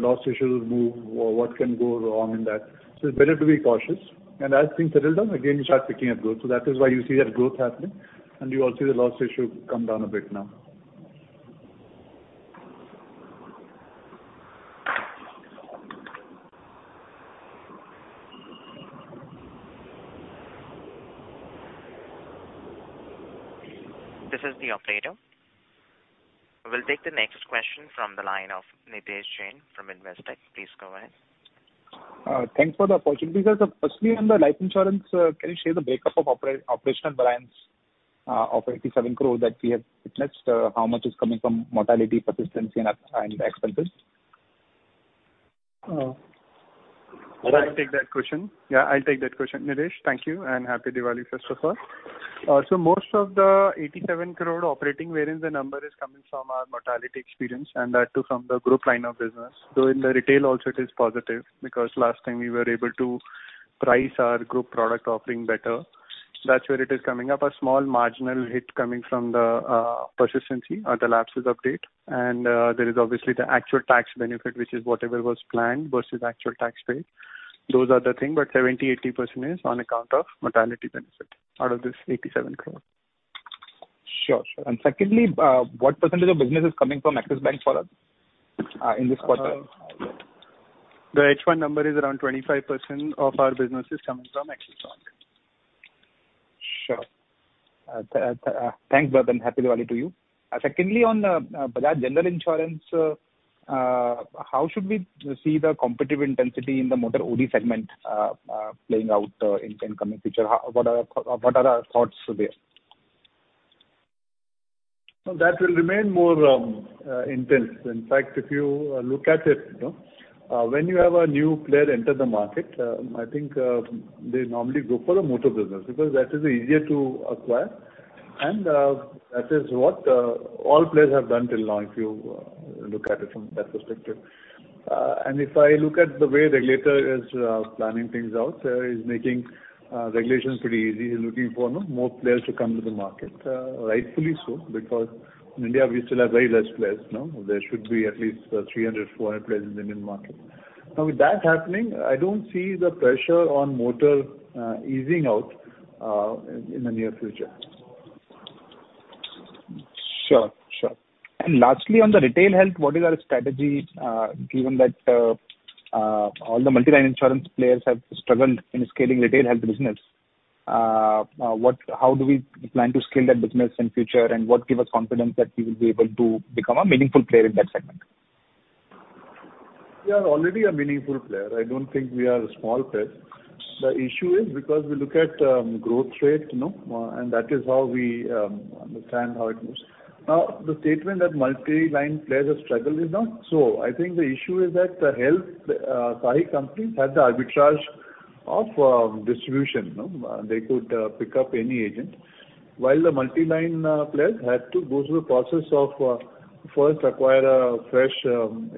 loss ratios move or what can go wrong in that. It's better to be cautious. As things settle down, again you start picking up growth. That is why you see that growth happening and you also see the loss ratio come down a bit now. This is the operator. We'll take the next question from the line of Nidhesh Jain from Investec. Please go ahead. Thanks for the opportunity, sir. Firstly, on the life insurance, can you share the breakup of operational variance of 87 crore that we have witnessed? How much is coming from mortality, persistency and expenses? I'll take that question. Yeah, I'll take that question. Nidhesh, thank you and happy Diwali first of all. Most of the 87 crore operating variance, the number is coming from our mortality experience and that too from the group line of business. In the retail also it is positive because last time we were able to price our group product offering better. That's where it is coming up, a small marginal hit coming from the persistency or the lapses update. There is obviously the actual tax benefit, which is whatever was planned versus actual tax paid. Those are the thing, but 70%-80% is on account of mortality benefit out of this 87 crore. Sure, sure. Secondly, what percentage of business is coming from Axis Bank for us, in this quarter? The H1 number is around 25% of our business is coming from Axis Bank. Sure. Thanks, Tarun Chugh. Happy Diwali to you. Secondly, on Bajaj General Insurance, how should we see the competitive intensity in the motor OD segment playing out in coming future? What are our thoughts there? No, that will remain more intense. In fact, if you look at it, you know, when you have a new player enter the market, I think, they normally go for the motor business because that is easier to acquire and, that is what, all players have done till now, if you look at it from that perspective. If I look at the way regulator is planning things out, he's making regulations pretty easy. He's looking for no more players to come to the market. Rightfully so, because in India we still have very less players no. There should be at least 300, 400 players in the Indian market. Now with that happening, I don't see the pressure on motor easing out in the near future. Sure, sure. Lastly, on the retail health, what is our strategy, given that, all the multi-line insurance players have struggled in scaling retail health business, how do we plan to scale that business in future? What give us confidence that we will be able to become a meaningful player in that segment? We are already a meaningful player. I don't think we are a small player. The issue is because we look at growth rate, you know, and that is how we understand how it moves. Now, the statement that multi-line players have struggled is not so. I think the issue is that the health SAHIs companies had the arbitrage of distribution no. They could pick up any agent while the multi-line players had to go through the process of first acquire a fresh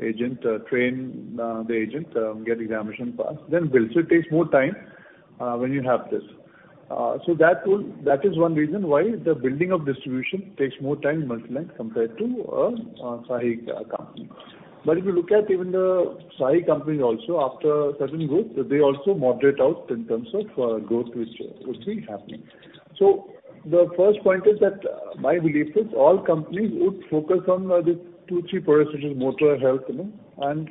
agent, train the agent, get examination pass, then build. It takes more time when you have this. That is one reason why the building of distribution takes more time in multi-line compared to a SAHIs company. If you look at even the SAHIs companies also after certain growth, they also moderate out in terms of growth which would be happening. The first point is that my belief is all companies would focus on these 2, 3 products such as motor, health, you know, and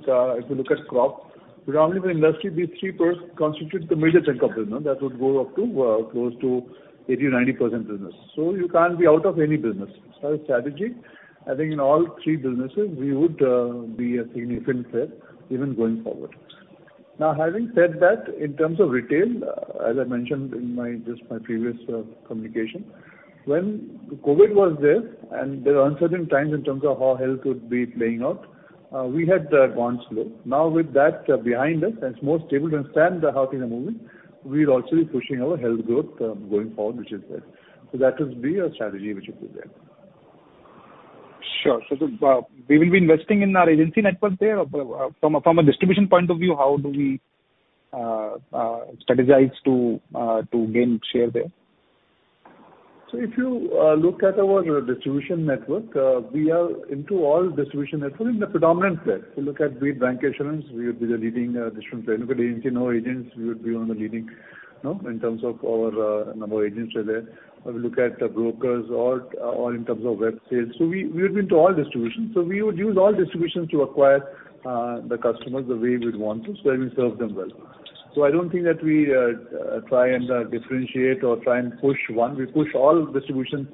crop. Predominantly in the industry these three products constitute the major chunk of business that would go up to close to 80%-90% business. You can't be out of any business. The strategy, I think in all three businesses we would be a significant player even going forward. Now, having said that, in terms of retail, as I mentioned in my just previous communication, when the COVID was there and there were uncertain times in terms of how health would be playing out, we had advanced slowly. Now with that behind us and it's more stable to understand how things are moving, we'll also be pushing our health growth going forward, which is there. That would be a strategy which we build there. Sure. We will be investing in our agency network there. From a distribution point of view, how do we strategize to gain share there? If you look at our distribution network, we are into all distribution networks. We are the predominant player. If you look at bancassurance, we would be the leading distribution player. Look at agents, we would be one of the leading in terms of our number of agents are there. If you look at the brokers or in terms of web sales. We would be into all distributions. We would use all distributions to acquire the customers the way we'd want to so that we serve them well. I don't think that we try and differentiate or try and push one. We push all distributions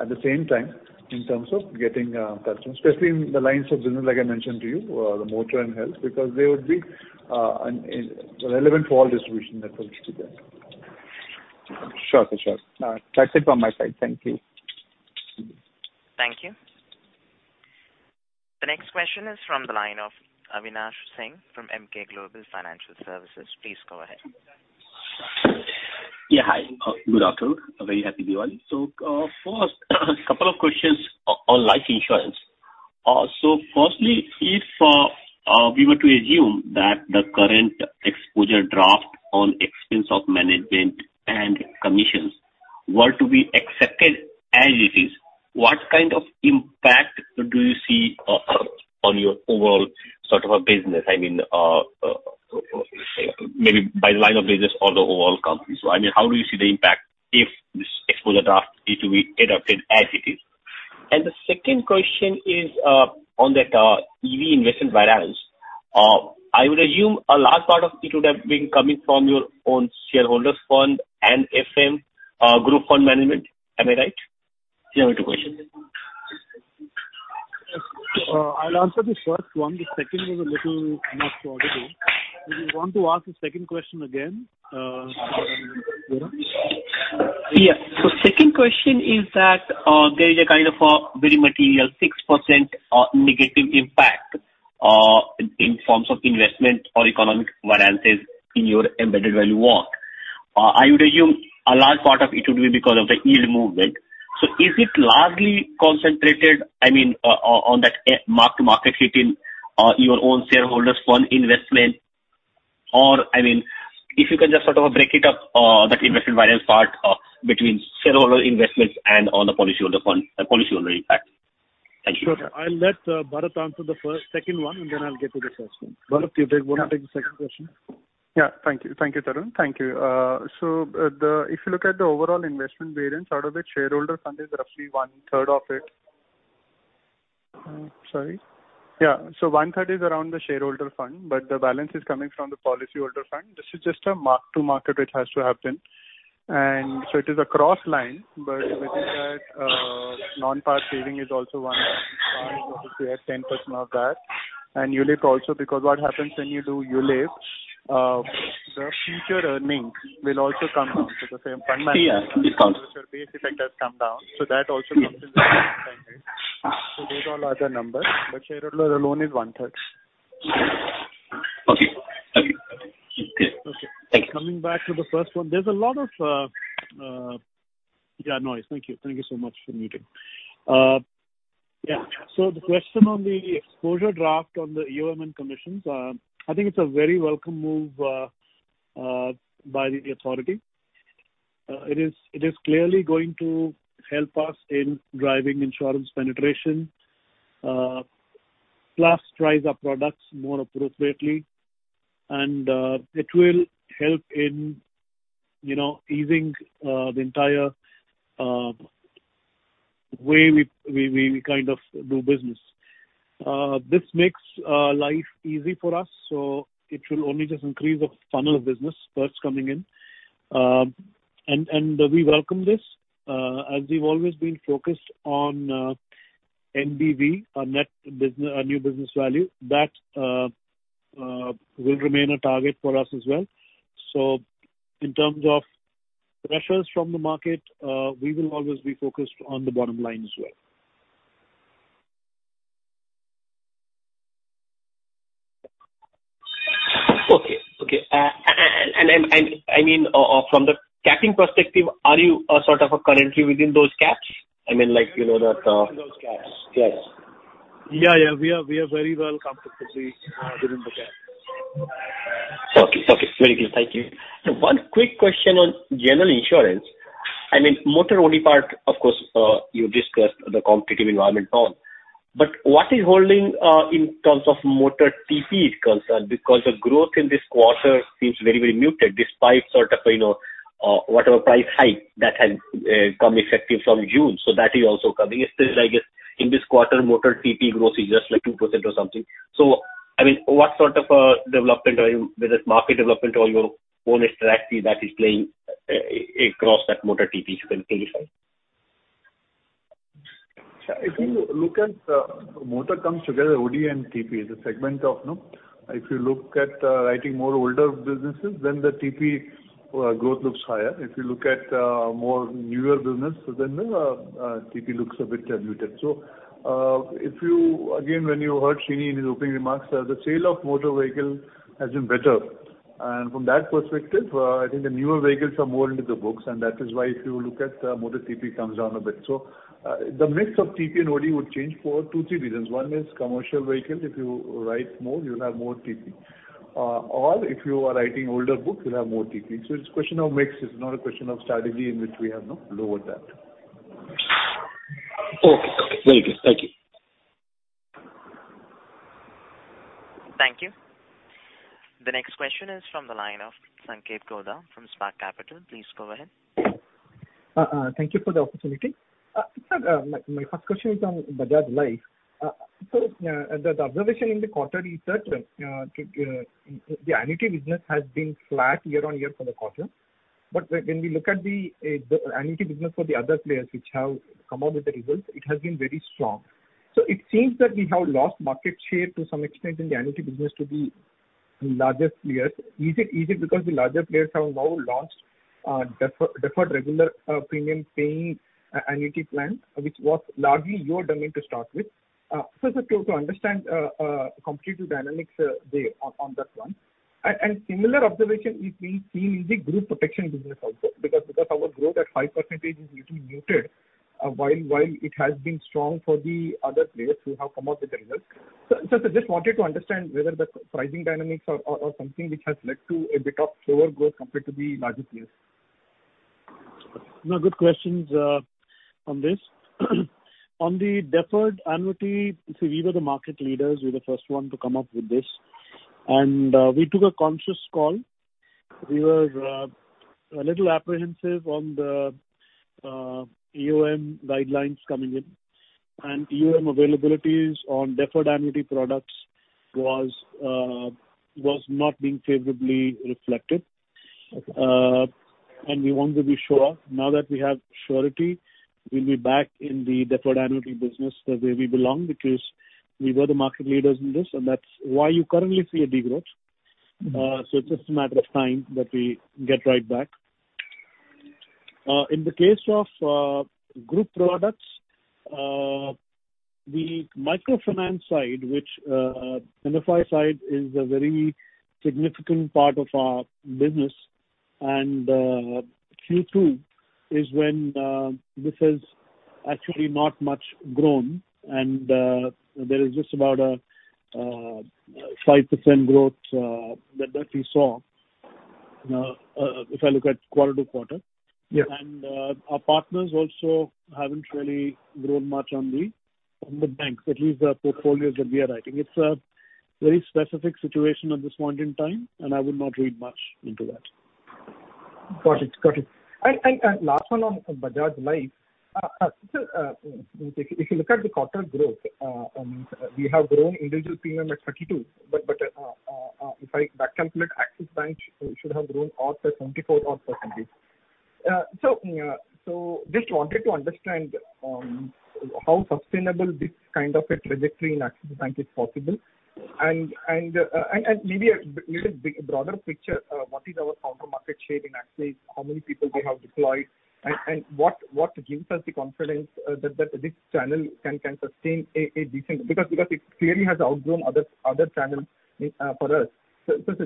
at the same time in terms of getting customers, especially in the lines of business like I mentioned to you, the motor and health because they would be relevant for all distribution networks together. Sure. That's it from my side. Thank you. Thank you. The next question is from the line of Avinash Singh from Emkay Global Financial Services. Please go ahead. Yeah. Hi. Good afternoon. A very happy Diwali. First couple of questions on life insurance. Firstly, if we were to assume that the current exposure draft on expense of management and commissions were to be accepted as it is, what kind of impact do you see on your overall sort of a business? I mean, maybe by line of business or the overall company. I mean, how do you see the impact if this exposure draft is to be adopted as it is? And the second question is, on that, EV investment variance. I would assume a large part of it would have been coming from your own shareholders fund and FM group fund management. Am I right? These are my two questions. I'll answer the first one. The second was a little not so audible. Do you want to ask the second question again, Avinash? Yeah. Second question is that, there is a kind of a very material 6% negative impact in forms of investment or economic variances in your embedded value one. I would assume a large part of it would be because of the yield movement. Is it largely concentrated, I mean, on that mark-to-market hit in your own shareholders' fund investment? Or, I mean, if you can just sort of break it up, that investment variance part between shareholder investments and on the policyholder fund, the policyholder impact. Thank you. Sure. I'll let Bharat answer the second one, and then I'll get to the first one. One of you wanna take the second question. Thank you, Tarun. If you look at the overall investment variance, out of it, shareholder fund is roughly one-third of it. Sorry. Yeah. One third is around the shareholder fund, but the balance is coming from the policyholder fund. This is just a mark to market, which has to happen. It is a cross line, but within that, non-par saving is also 1% of that. ULIP also, because what happens when you do ULIP, the future earnings will also come down to the same fund management. Yeah. It's counted. Your base effect has come down, so that also comes into play. These all are the numbers, but shareholder alone is 1/3. Okay. Okay. Thank you. Coming back to the first one, there's a lot of noise. Thank you. Thank you so much for muting. The question on the exposure draft on the EOM and commissions, I think it's a very welcome move by the authority. It is clearly going to help us in driving insurance penetration, plus price our products more appropriately and it will help in, you know, easing the entire way we kind of do business. This makes life easy for us, so it will only just increase the funnel of business that's coming in. We welcome this, as we've always been focused on NBV, our new business value. That will remain a target for us as well. In terms of pressures from the market, we will always be focused on the bottom line as well. Okay. I mean, from the capping perspective, are you sort of currently within those caps? I mean, like, you know that- Within those caps. Yes. Yeah, yeah. We are very well comfortably within the caps. Okay. Okay. Very clear. Thank you. One quick question on general insurance. I mean, motor only part, of course, you discussed the competitive environment and all, but what is holding in terms of motor TP is concerned because the growth in this quarter seems very, very muted despite sort of, you know, whatever price hike that has come effective from June. That is also coming. It's still, I guess, in this quarter motor TP growth is just like 2% or something. I mean, what sort of development are you whether it's market development or your own strategy that is playing across that motor TP if you can clarify. If you look at motor OD and TP together. If you look at the older businesses, then the TP growth looks higher. If you look at the newer business, then the TP looks a bit diluted. If you again, when you heard Srini in his opening remarks, the sales of motor vehicles have been better. From that perspective, I think the newer vehicles are more in the books, and that is why if you look at motor TP comes down a bit. The mix of TP and OD would change for two, three reasons. One is commercial vehicles. If you write more, you'll have more TP. Or if you are writing older books you'll have more TP. It's a question of mix. It's not a question of strategy in which we have no lower that. Okay. Very good. Thank you. Thank you. The next question is from the line of Sankethh Godha from Spark Capital. Please go ahead. Thank you for the opportunity. Sir, my first question is on Bajaj Life. The observation in the quarter is that the annuity business has been flat year-on-year for the quarter. When we look at the annuity business for the other players which have come up with the results, it has been very strong. It seems that we have lost market share to some extent in the annuity business to the largest players. Is it because the larger players have now launched deferred regular premium paying annuity plan, which was largely your domain to start with? To understand competitive dynamics there on that front. Similar observation is being seen in the group protection business also because our growth at high percentage is little muted, while it has been strong for the other players who have come out with the results. Just wanted to understand whether the pricing dynamics or something which has led to a bit of slower growth compared to the larger players. No, good questions on this. On the deferred annuity, see we were the market leaders. We're the first one to come up with this. We took a conscious call. We were a little apprehensive on the EOM guidelines coming in, and EOM availabilities on deferred annuity products was not being favorably reflected. We want to be sure. Now that we have surety, we'll be back in the deferred annuity business, where we belong because we were the market leaders in this, and that's why you currently see a degrowth. It's just a matter of time that we get right back. In the case of group products, the microfinance side which MFI side is a very significant part of our business and Q2 is when this has actually not much grown and there is just about a 5% growth that we saw if I look at quarter-over-quarter. Yes. Our partners also haven't really grown much on the banks, at least the portfolios that we are writing. It's a very specific situation at this point in time, and I would not read much into that. Got it. Last one on Bajaj Life. If you look at the quarter growth, we have grown individual premium at 32%, but if I back calculate Axis Bank should have grown at 74-odd%. Just wanted to understand how sustainable this kind of a trajectory in Axis Bank is possible and maybe a bit broader picture, what is our current market share in Axis. How many people we have deployed and what gives us the confidence that this channel can sustain a decent because it clearly has outgrown other channels for us.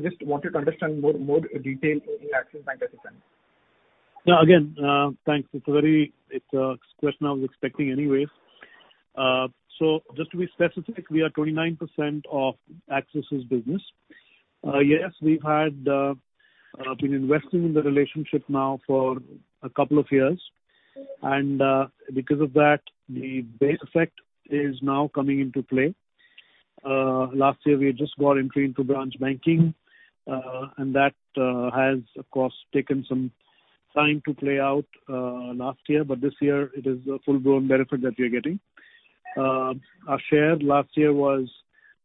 Just wanted to understand more detail in Axis Bank as a bank. No, again, thanks. It's a question I was expecting anyways. Just to be specific, we are 29% of Axis Bank's business. Yes, we've been investing in the relationship now for a couple of years and because of that the base effect is now coming into play. Last year we just got entry into branch banking, and that has of course taken some time to play out last year, but this year it is a full-blown benefit that we are getting. Our share last year was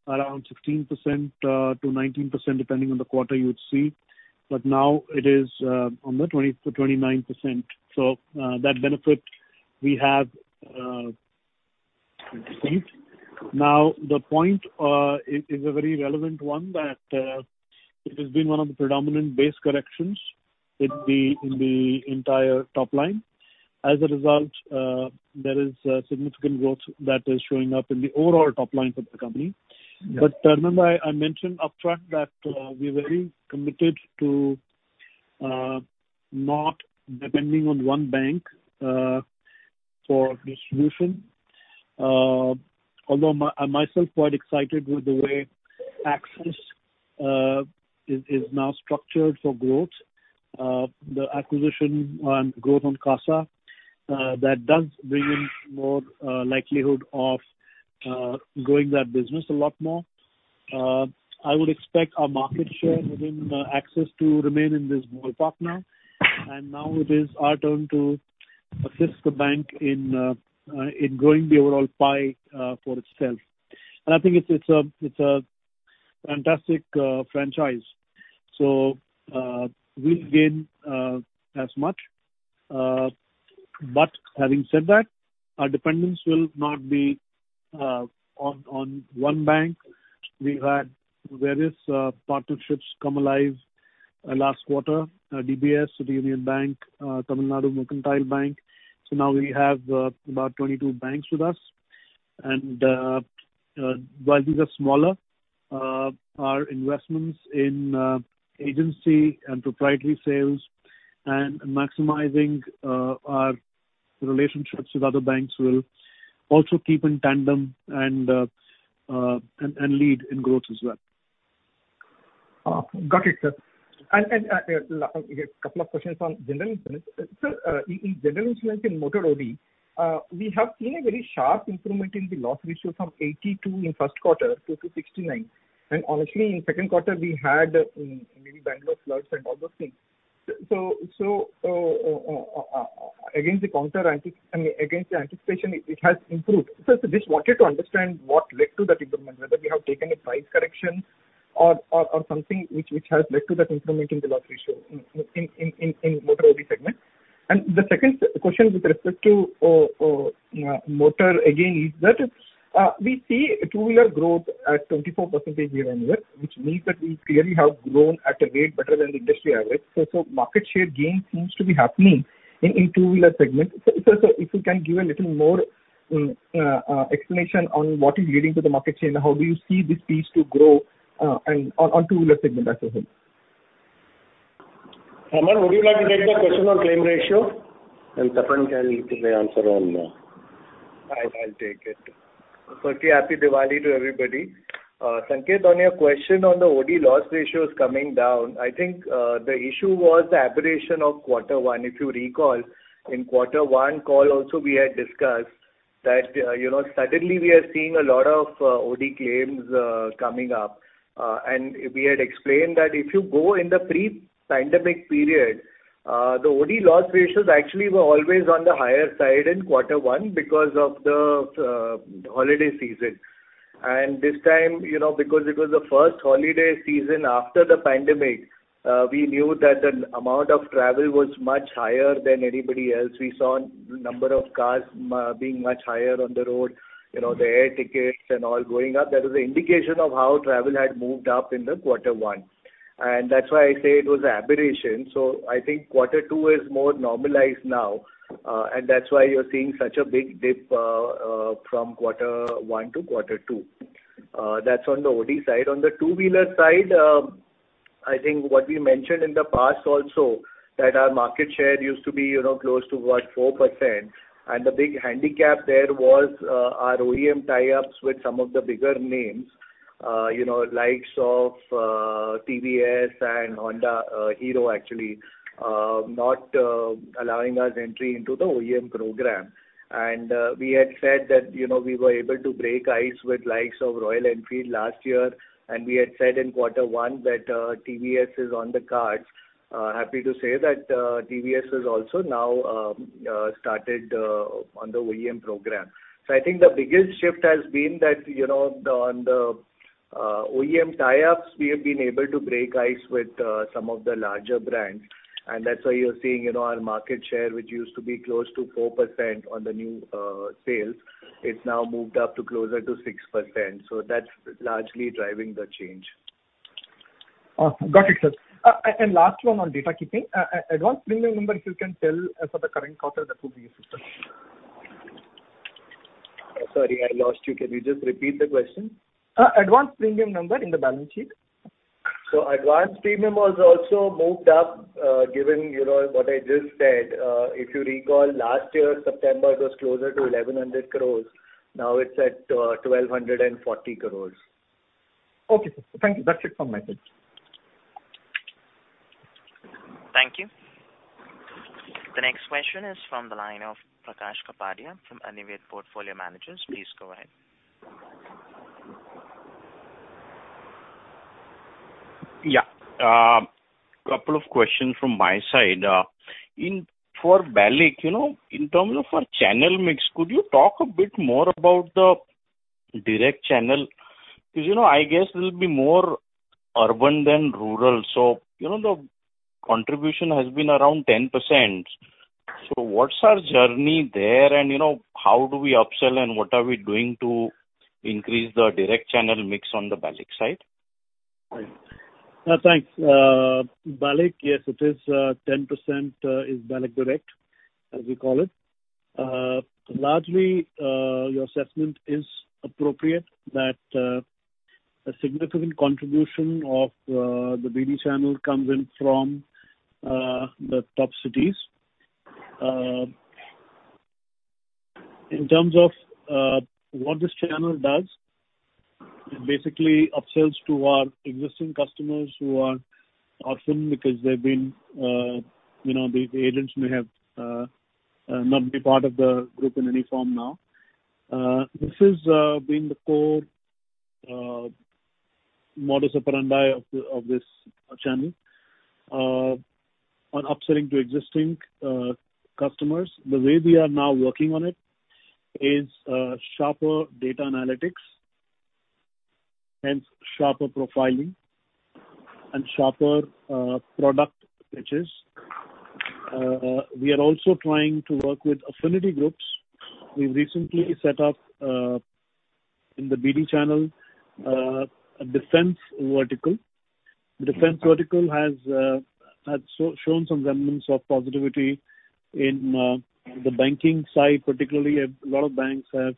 around 16%-19%, depending on the quarter you would see. Now it is on the 20%-29%. That benefit we have received. Now the point is a very relevant one that it has been one of the predominant base corrections in the entire top line. As a result, there is significant growth that is showing up in the overall top line for the company. Yes. Remember I mentioned upfront that we're very committed to not depending on one bank for distribution. Although I'm myself quite excited with the way Axis Bank is now structured for growth. The acquisition on growth on CASA that does bring in more likelihood of growing that business a lot more. I would expect our market share within Axis Bank to remain in this ballpark now and it is our turn to assist the bank in growing the overall pie for itself. I think it's a fantastic franchise. We'll gain as much. Having said that, our dependence will not be on one bank. We've had various partnerships come alive last quarter, DBS Bank, City Union Bank, Tamilnad Mercantile Bank. Now we have about 22 banks with us and, while these are smaller, our investments in agency and proprietary sales and maximizing our relationships with other banks will also keep in tandem and lead in growth as well. Got it, sir. A couple of questions on General Insurance. Sir, in General Insurance in motor OD, we have seen a very sharp improvement in the loss ratio from 82% in first quarter to 69%. Honestly, in second quarter we had maybe Bangalore floods and all those things. I mean, against the anticipation it has improved. Just wanted to understand what led to that improvement, whether we have taken a price correction or something which has led to that improvement in the loss ratio in motor OD segment. The second question with respect to motor again is that we see a two-wheeler growth at 24% year-on-year, which means that we clearly have grown at a rate better than the industry average. Market share gain seems to be happening in the two-wheeler segment. If you can give a little more explanation on what is leading to the market share and how do you see this piece to grow and on the two-wheeler segment as a whole. Hemant, would you like to take the question on claim ratio? Tapan can answer on I'll take it. Firstly, happy Diwali to everybody. Sanketh on your question on the OD loss ratios coming down. I think the issue was the aberration of quarter one. If you recall in quarter one call also we had discussed that you know, suddenly we are seeing a lot of OD claims coming up. And we had explained that if you go in the pre-pandemic period the OD loss ratios actually were always on the higher side in quarter one because of the holiday season. This time, you know, because it was the first holiday season after the pandemic we knew that the amount of travel was much higher than anybody else. We saw number of cars being much higher on the road, you know, the air tickets and all going up. That was the indication of how travel had moved up in the quarter one. That's why I say it was an aberration. I think quarter two is more normalized now, and that's why you're seeing such a big dip from quarter one to quarter two. That's on the OD side. On the two-wheeler side, I think what we mentioned in the past also, that our market share used to be, you know, close to what, 4%. The big handicap there was, our OEM tie-ups with some of the bigger names, you know, likes of TVS and Honda, Hero, actually, not allowing us entry into the OEM program. We had said that, you know, we were able to break the ice with the likes of Royal Enfield last year, and we had said in quarter one that TVS is on the cards. Happy to say that TVS has also now started on the OEM program. I think the biggest shift has been that, you know, on the OEM tie-ups, we have been able to break the ice with some of the larger brands, and that's why you're seeing, you know, our market share, which used to be close to 4% on the new sales, it's now moved up to closer to 6%. That's largely driving the change. Got it, sir. Last one on data keeping. Advance premium number if you can tell for the current quarter, that would be useful. Sorry, I lost you. Can you just repeat the question? Advance premium number in the balance sheet. Advance premium was also moved up, given, you know, what I just said. If you recall last year, September, it was closer to 1,100 crores. Now it's at 1,240 crores. Okay, sir. Thank you. That's it from my side. Thank you. The next question is from the line of Prakash Kapadia from Anived Portfolio Managers. Please go ahead. Yeah. Couple of questions from my side. For BALIC, you know, in terms of our channel mix, could you talk a bit more about the direct channel? Because, you know, I guess it'll be more urban than rural. You know, the contribution has been around 10%. What's our journey there and, you know, how do we upsell and what are we doing to increase the direct channel mix on the BALIC side? Right. Thanks. BALIC, yes, it is, 10% is BALIC direct, as we call it. Largely, your assessment is appropriate that a significant contribution of the BD channel comes in from the top cities. In terms of what this channel does, it basically upsells to our existing customers who are often because they've been, you know, the agents may have not been part of the group in any form now. This has been the core modus operandi of this channel. On upselling to existing customers, the way we are now working on it is sharper data analytics, hence sharper profiling and sharper product pitches. We are also trying to work with affinity groups. We recently set up in the BD channel a defense vertical. The defense vertical has shown some remnants of positivity in the banking side, particularly a lot of banks have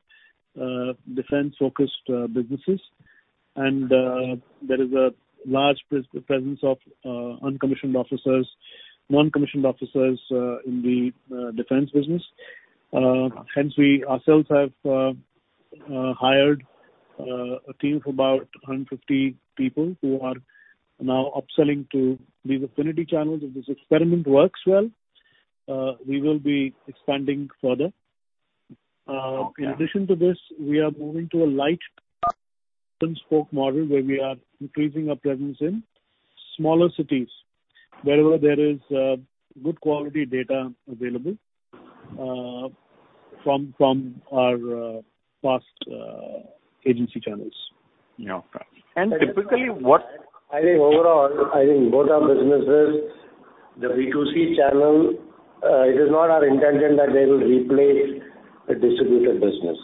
defense-focused businesses. There is a large presence of non-commissioned officers in the defense business. Hence we ourselves have hired a team of about 150 people who are now upselling to these affinity channels. If this experiment works well, we will be expanding further. In addition to this, we are moving to a light spoke model where we are increasing our presence in smaller cities wherever there is good quality data available from our past agency channels. Yeah. Typically what- I think overall, I think both our businesses, the B2C channel, it is not our intention that they will replace a distributed business.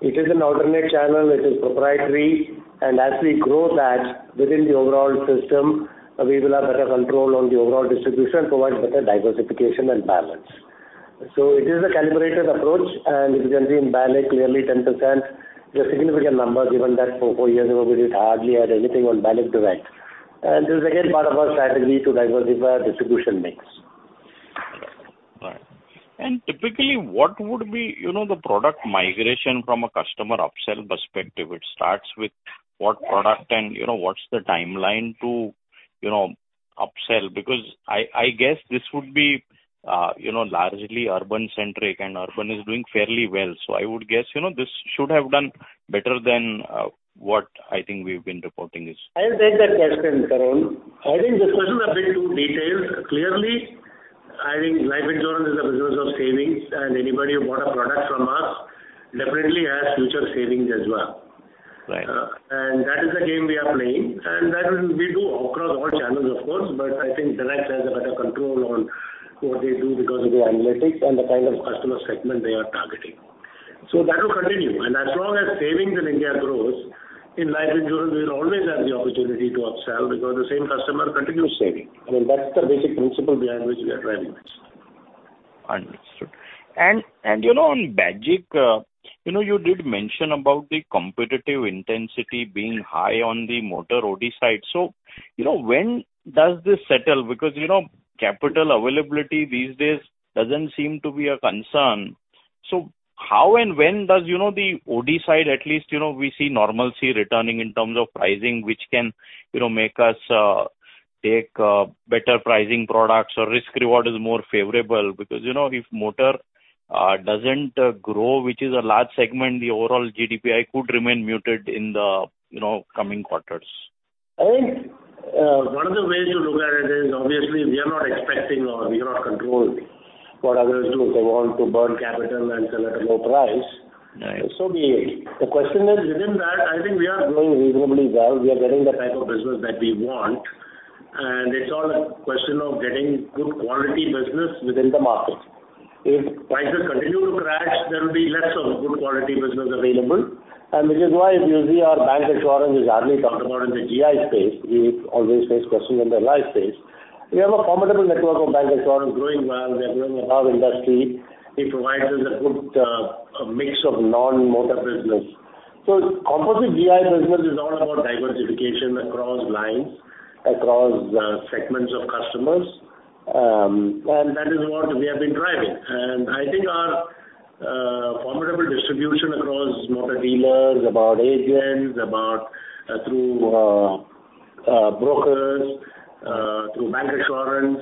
It is an alternative channel, it is proprietary, and as we grow that within the overall system, we will have better control on the overall distribution, provide better diversification and balance. It is a calibrated approach and it can be in BALIC clearly 10% is a significant number given that for four years we would hardly add anything on BALIC direct. This is again part of our strategy to diversify our distribution mix. Right. Typically, what would be, you know, the product migration from a customer upsell perspective? It starts with what product and, you know, what's the timeline to, you know, upsell? Because I guess this would be, you know, largely urban-centric, and urban is doing fairly well. I would guess, you know, this should have done better than what I think we've been reporting is. I'll take that question, Tarun. I think this question is a bit too detailed. Clearly, I think life insurance is a business of savings, and anybody who bought a product from us definitely has future savings as well. Right. That is the game we are playing, and we do across all channels. I think direct has a better control on what they do because of the analytics and the kind of customer segment they are targeting. That will continue. As long as savings in India grows, in life insurance we will always have the opportunity to upsell because the same customer continues saving. I mean, that's the basic principle behind which we are driving this. Understood. You know, on Bajaj, you know, you did mention about the competitive intensity being high on the motor OD side. You know, when does this settle? Because, you know, capital availability these days doesn't seem to be a concern. How and when does, you know, the OD side at least, you know, we see normalcy returning in terms of pricing, which can, you know, make us take better pricing products or risk reward is more favorable because, you know, if motor doesn't grow, which is a large segment, the overall GDPI could remain muted in the, you know, coming quarters. I think, one of the ways to look at it is obviously we are not expecting or we are not controlling what others do. If they want to burn capital and sell at a low price. Right. Be it. The question is within that, I think we are doing reasonably well. We are getting the type of business that we want, and it's all a question of getting good quality business within the market. If prices continue to crash, there will be less of good quality business available. Which is why if you see our bank insurance is hardly talked about in the GI space. We always face questions on the life space. We have a formidable network of bank insurance growing well. They are growing above industry. It provides us a good mix of non-motor business. Composite GI business is all about diversification across lines, across segments of customers. And that is what we have been driving. I think our formidable distribution across motor dealers, and agents, through brokers, through bank insurance.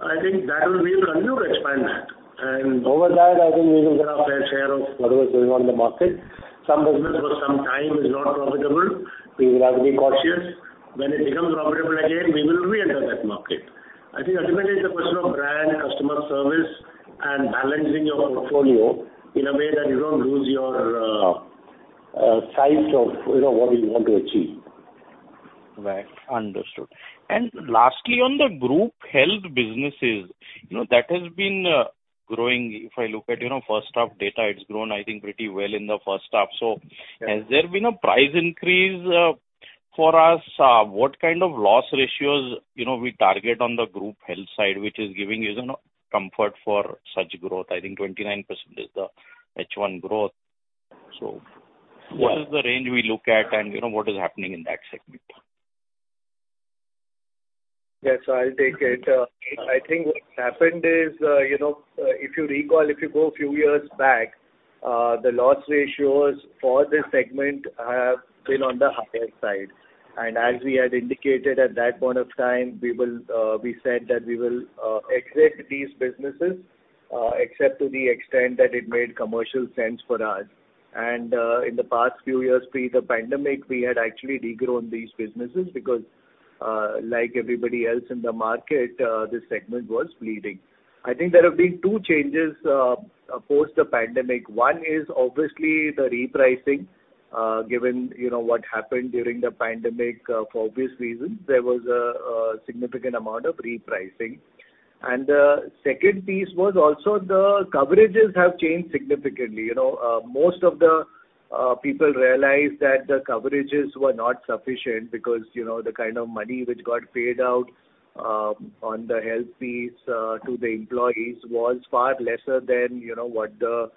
I think that will be able to continue to expand that. Over that, I think we will get our fair share of whatever is going on in the market. Some business for some time is not profitable. We will have to be cautious. When it becomes profitable again, we will reenter that market. I think ultimately it's a question of brand, customer service, and balancing your portfolio in a way that you don't lose sight of, you know, what you want to achieve. Right. Understood. Lastly, on the group health businesses, you know that has been growing. If I look at, you know, first half data, it's grown I think pretty well in the first half. Has there been a price increase for us? What kind of loss ratios, you know, we target on the group health side, which is giving you the comfort for such growth? I think 29% is the H1 growth. What is the range we look at and, you know, what is happening in that segment? Yes, I'll take it. I think what's happened is, you know, if you recall, if you go a few years back, the loss ratios for this segment have been on the higher side. As we had indicated at that point of time, we said that we will exit these businesses, except to the extent that it made commercial sense for us. In the past few years pre the pandemic, we had actually regrown these businesses because, like everybody else in the market, this segment was bleeding. I think there have been two changes post the pandemic. One is obviously the repricing, given, you know, what happened during the pandemic for obvious reasons. There was a significant amount of repricing. The second piece was also the coverages have changed significantly. You know, most of the people realized that the coverages were not sufficient because, you know, the kind of money which got paid out, on the health piece, to the employees was far lesser than, you know, what the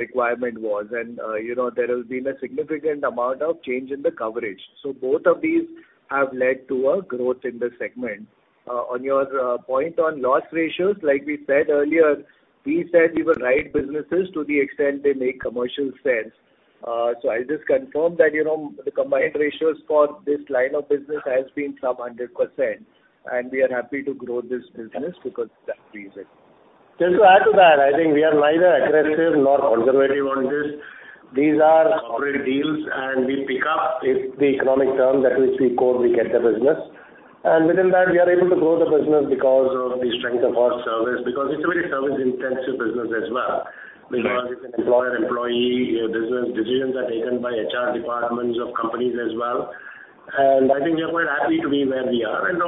requirement was. You know, there has been a significant amount of change in the coverage. Both of these have led to a growth in this segment. On your point on loss ratios, like we said earlier, we said we will write businesses to the extent they make commercial sense. So I'll just confirm that, you know, the combined ratios for this line of business has been sub 100%, and we are happy to grow this business because that reason. Just to add to that, I think we are neither aggressive nor conservative on this. These are corporate deals, and we pick up if the economic terms that we quote, we get the business. Within that we are able to grow the business because of the strength of our service, because it's a very service-intensive business as well. Right. Because it's an employer employee business. Decisions are taken by HR departments of companies as well. I think we are quite happy to be where we are. These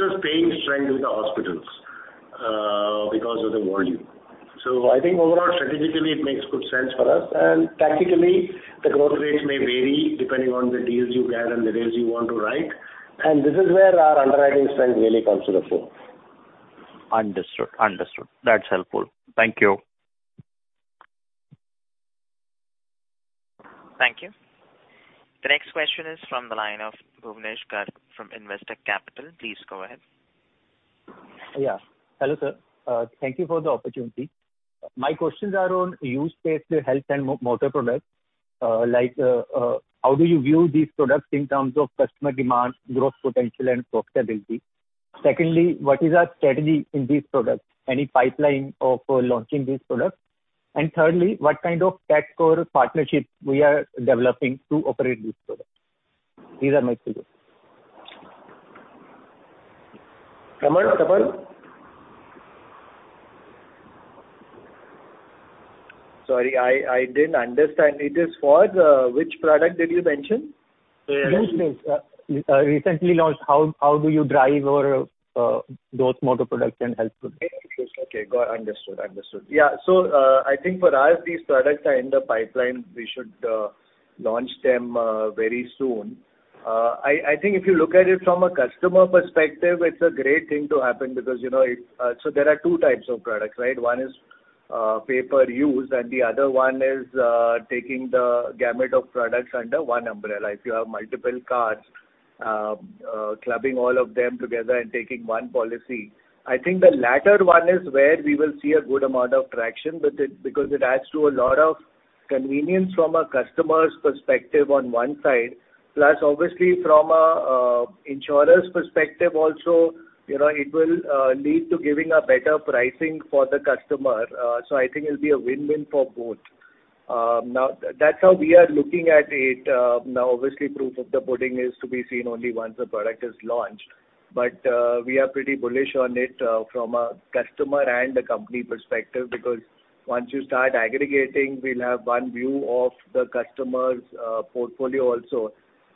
are bargaining strength with the hospitals, because of the volume. I think overall strategically it makes good sense for us. Tactically the growth rates may vary depending on the deals you get and the deals you want to write. This is where our underwriting strength really comes to the fore. Understood. That's helpful. Thank you. Thank you. The next question is from the line of Bhuvnesh Garg from Investec Capital. Please go ahead. Hello, sir. Thank you for the opportunity. My questions are on usage-based health and motor products. Like, how do you view these products in terms of customer demand, growth potential and profitability? Secondly, what is our strategy in these products? Any pipeline of launching these products? And thirdly, what kind of tech core partnerships we are developing to operate these products? These are my three. Kamal? Sorry, I didn't understand. Which product did you mention? UBI, recently launched. How do you drive or those motor products and help with it? Okay. Understood. Yeah. I think for us these products are in the pipeline. We should launch them very soon. I think if you look at it from a customer perspective, it's a great thing to happen because, you know, it. There are two types of products, right? One is pay per use and the other one is taking the gamut of products under one umbrella. If you have multiple cars, clubbing all of them together and taking one policy. I think the latter one is where we will see a good amount of traction with it because it adds to a lot of convenience from a customer's perspective on one side, plus obviously from an insurer's perspective also, you know, it will lead to giving a better pricing for the customer. I think it'll be a win-win for both. Now that's how we are looking at it. Now obviously proof of the pudding is to be seen only once the product is launched. We are pretty bullish on it from a customer and a company perspective because once you start aggregating we'll have one view of the customer's portfolio also,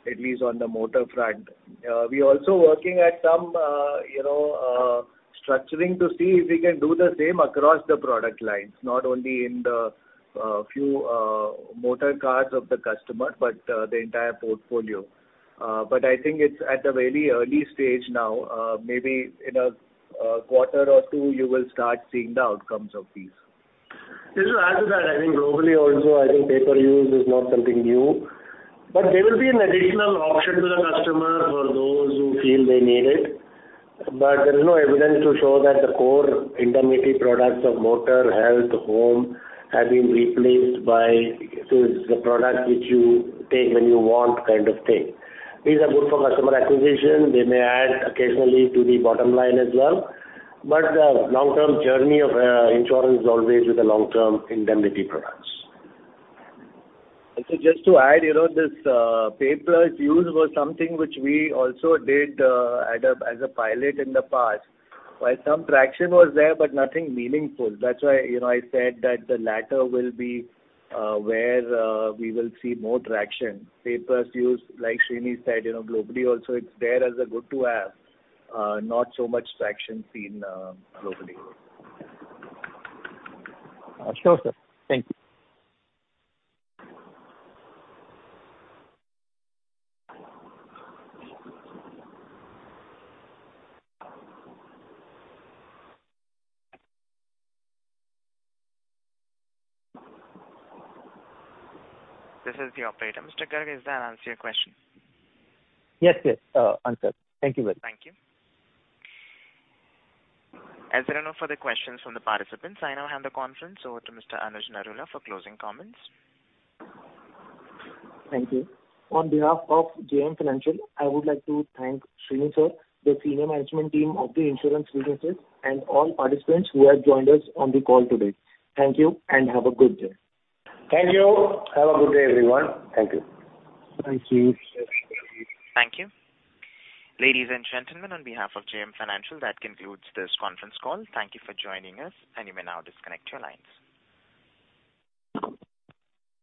at least on the motor front. We're also working at some you know structuring to see if we can do the same across the product lines, not only in the few motor cars of the customer, but the entire portfolio. I think it's at a very early stage now. Maybe in a quarter or two you will start seeing the outcomes of these. Just to add to that, I think globally also I think pay per use is not something new, but there will be an additional option to the customer for those who feel they need it. But there is no evidence to show that the core indemnity products of motor, health, home have been replaced by, so it's the product which you take when you want kind of thing. These are good for customer acquisition. They may add occasionally to the bottom line as well, but the long-term journey of insurance is always with the long-term indemnity products. Just to add, you know, this pay per use was something which we also did as a pilot in the past. While some traction was there, but nothing meaningful. That's why, you know, I said that the latter will be where we will see more traction. Pay per use, like Srini said, you know, globally also it's there as a good to have, not so much traction seen globally. Sure, sir. Thank you. This is the operator. Mr. Garg, does that answer your question? Yes, yes, answered. Thank you very much. Thank you. As there are no further questions from the participants, I now hand the conference over to Mr. Anuj Narula for closing comments. Thank you. On behalf of JM Financial, I would like to thank Srini, sir, the senior management team of the Insurance Businesses and all participants who have joined us on the call today. Thank you, and have a good day. Thank you. Have a good day, everyone. Thank you. Thank you. Thank you. Ladies and gentlemen, on behalf of JM Financial, that concludes this conference call. Thank you for joining us and you may now disconnect your lines.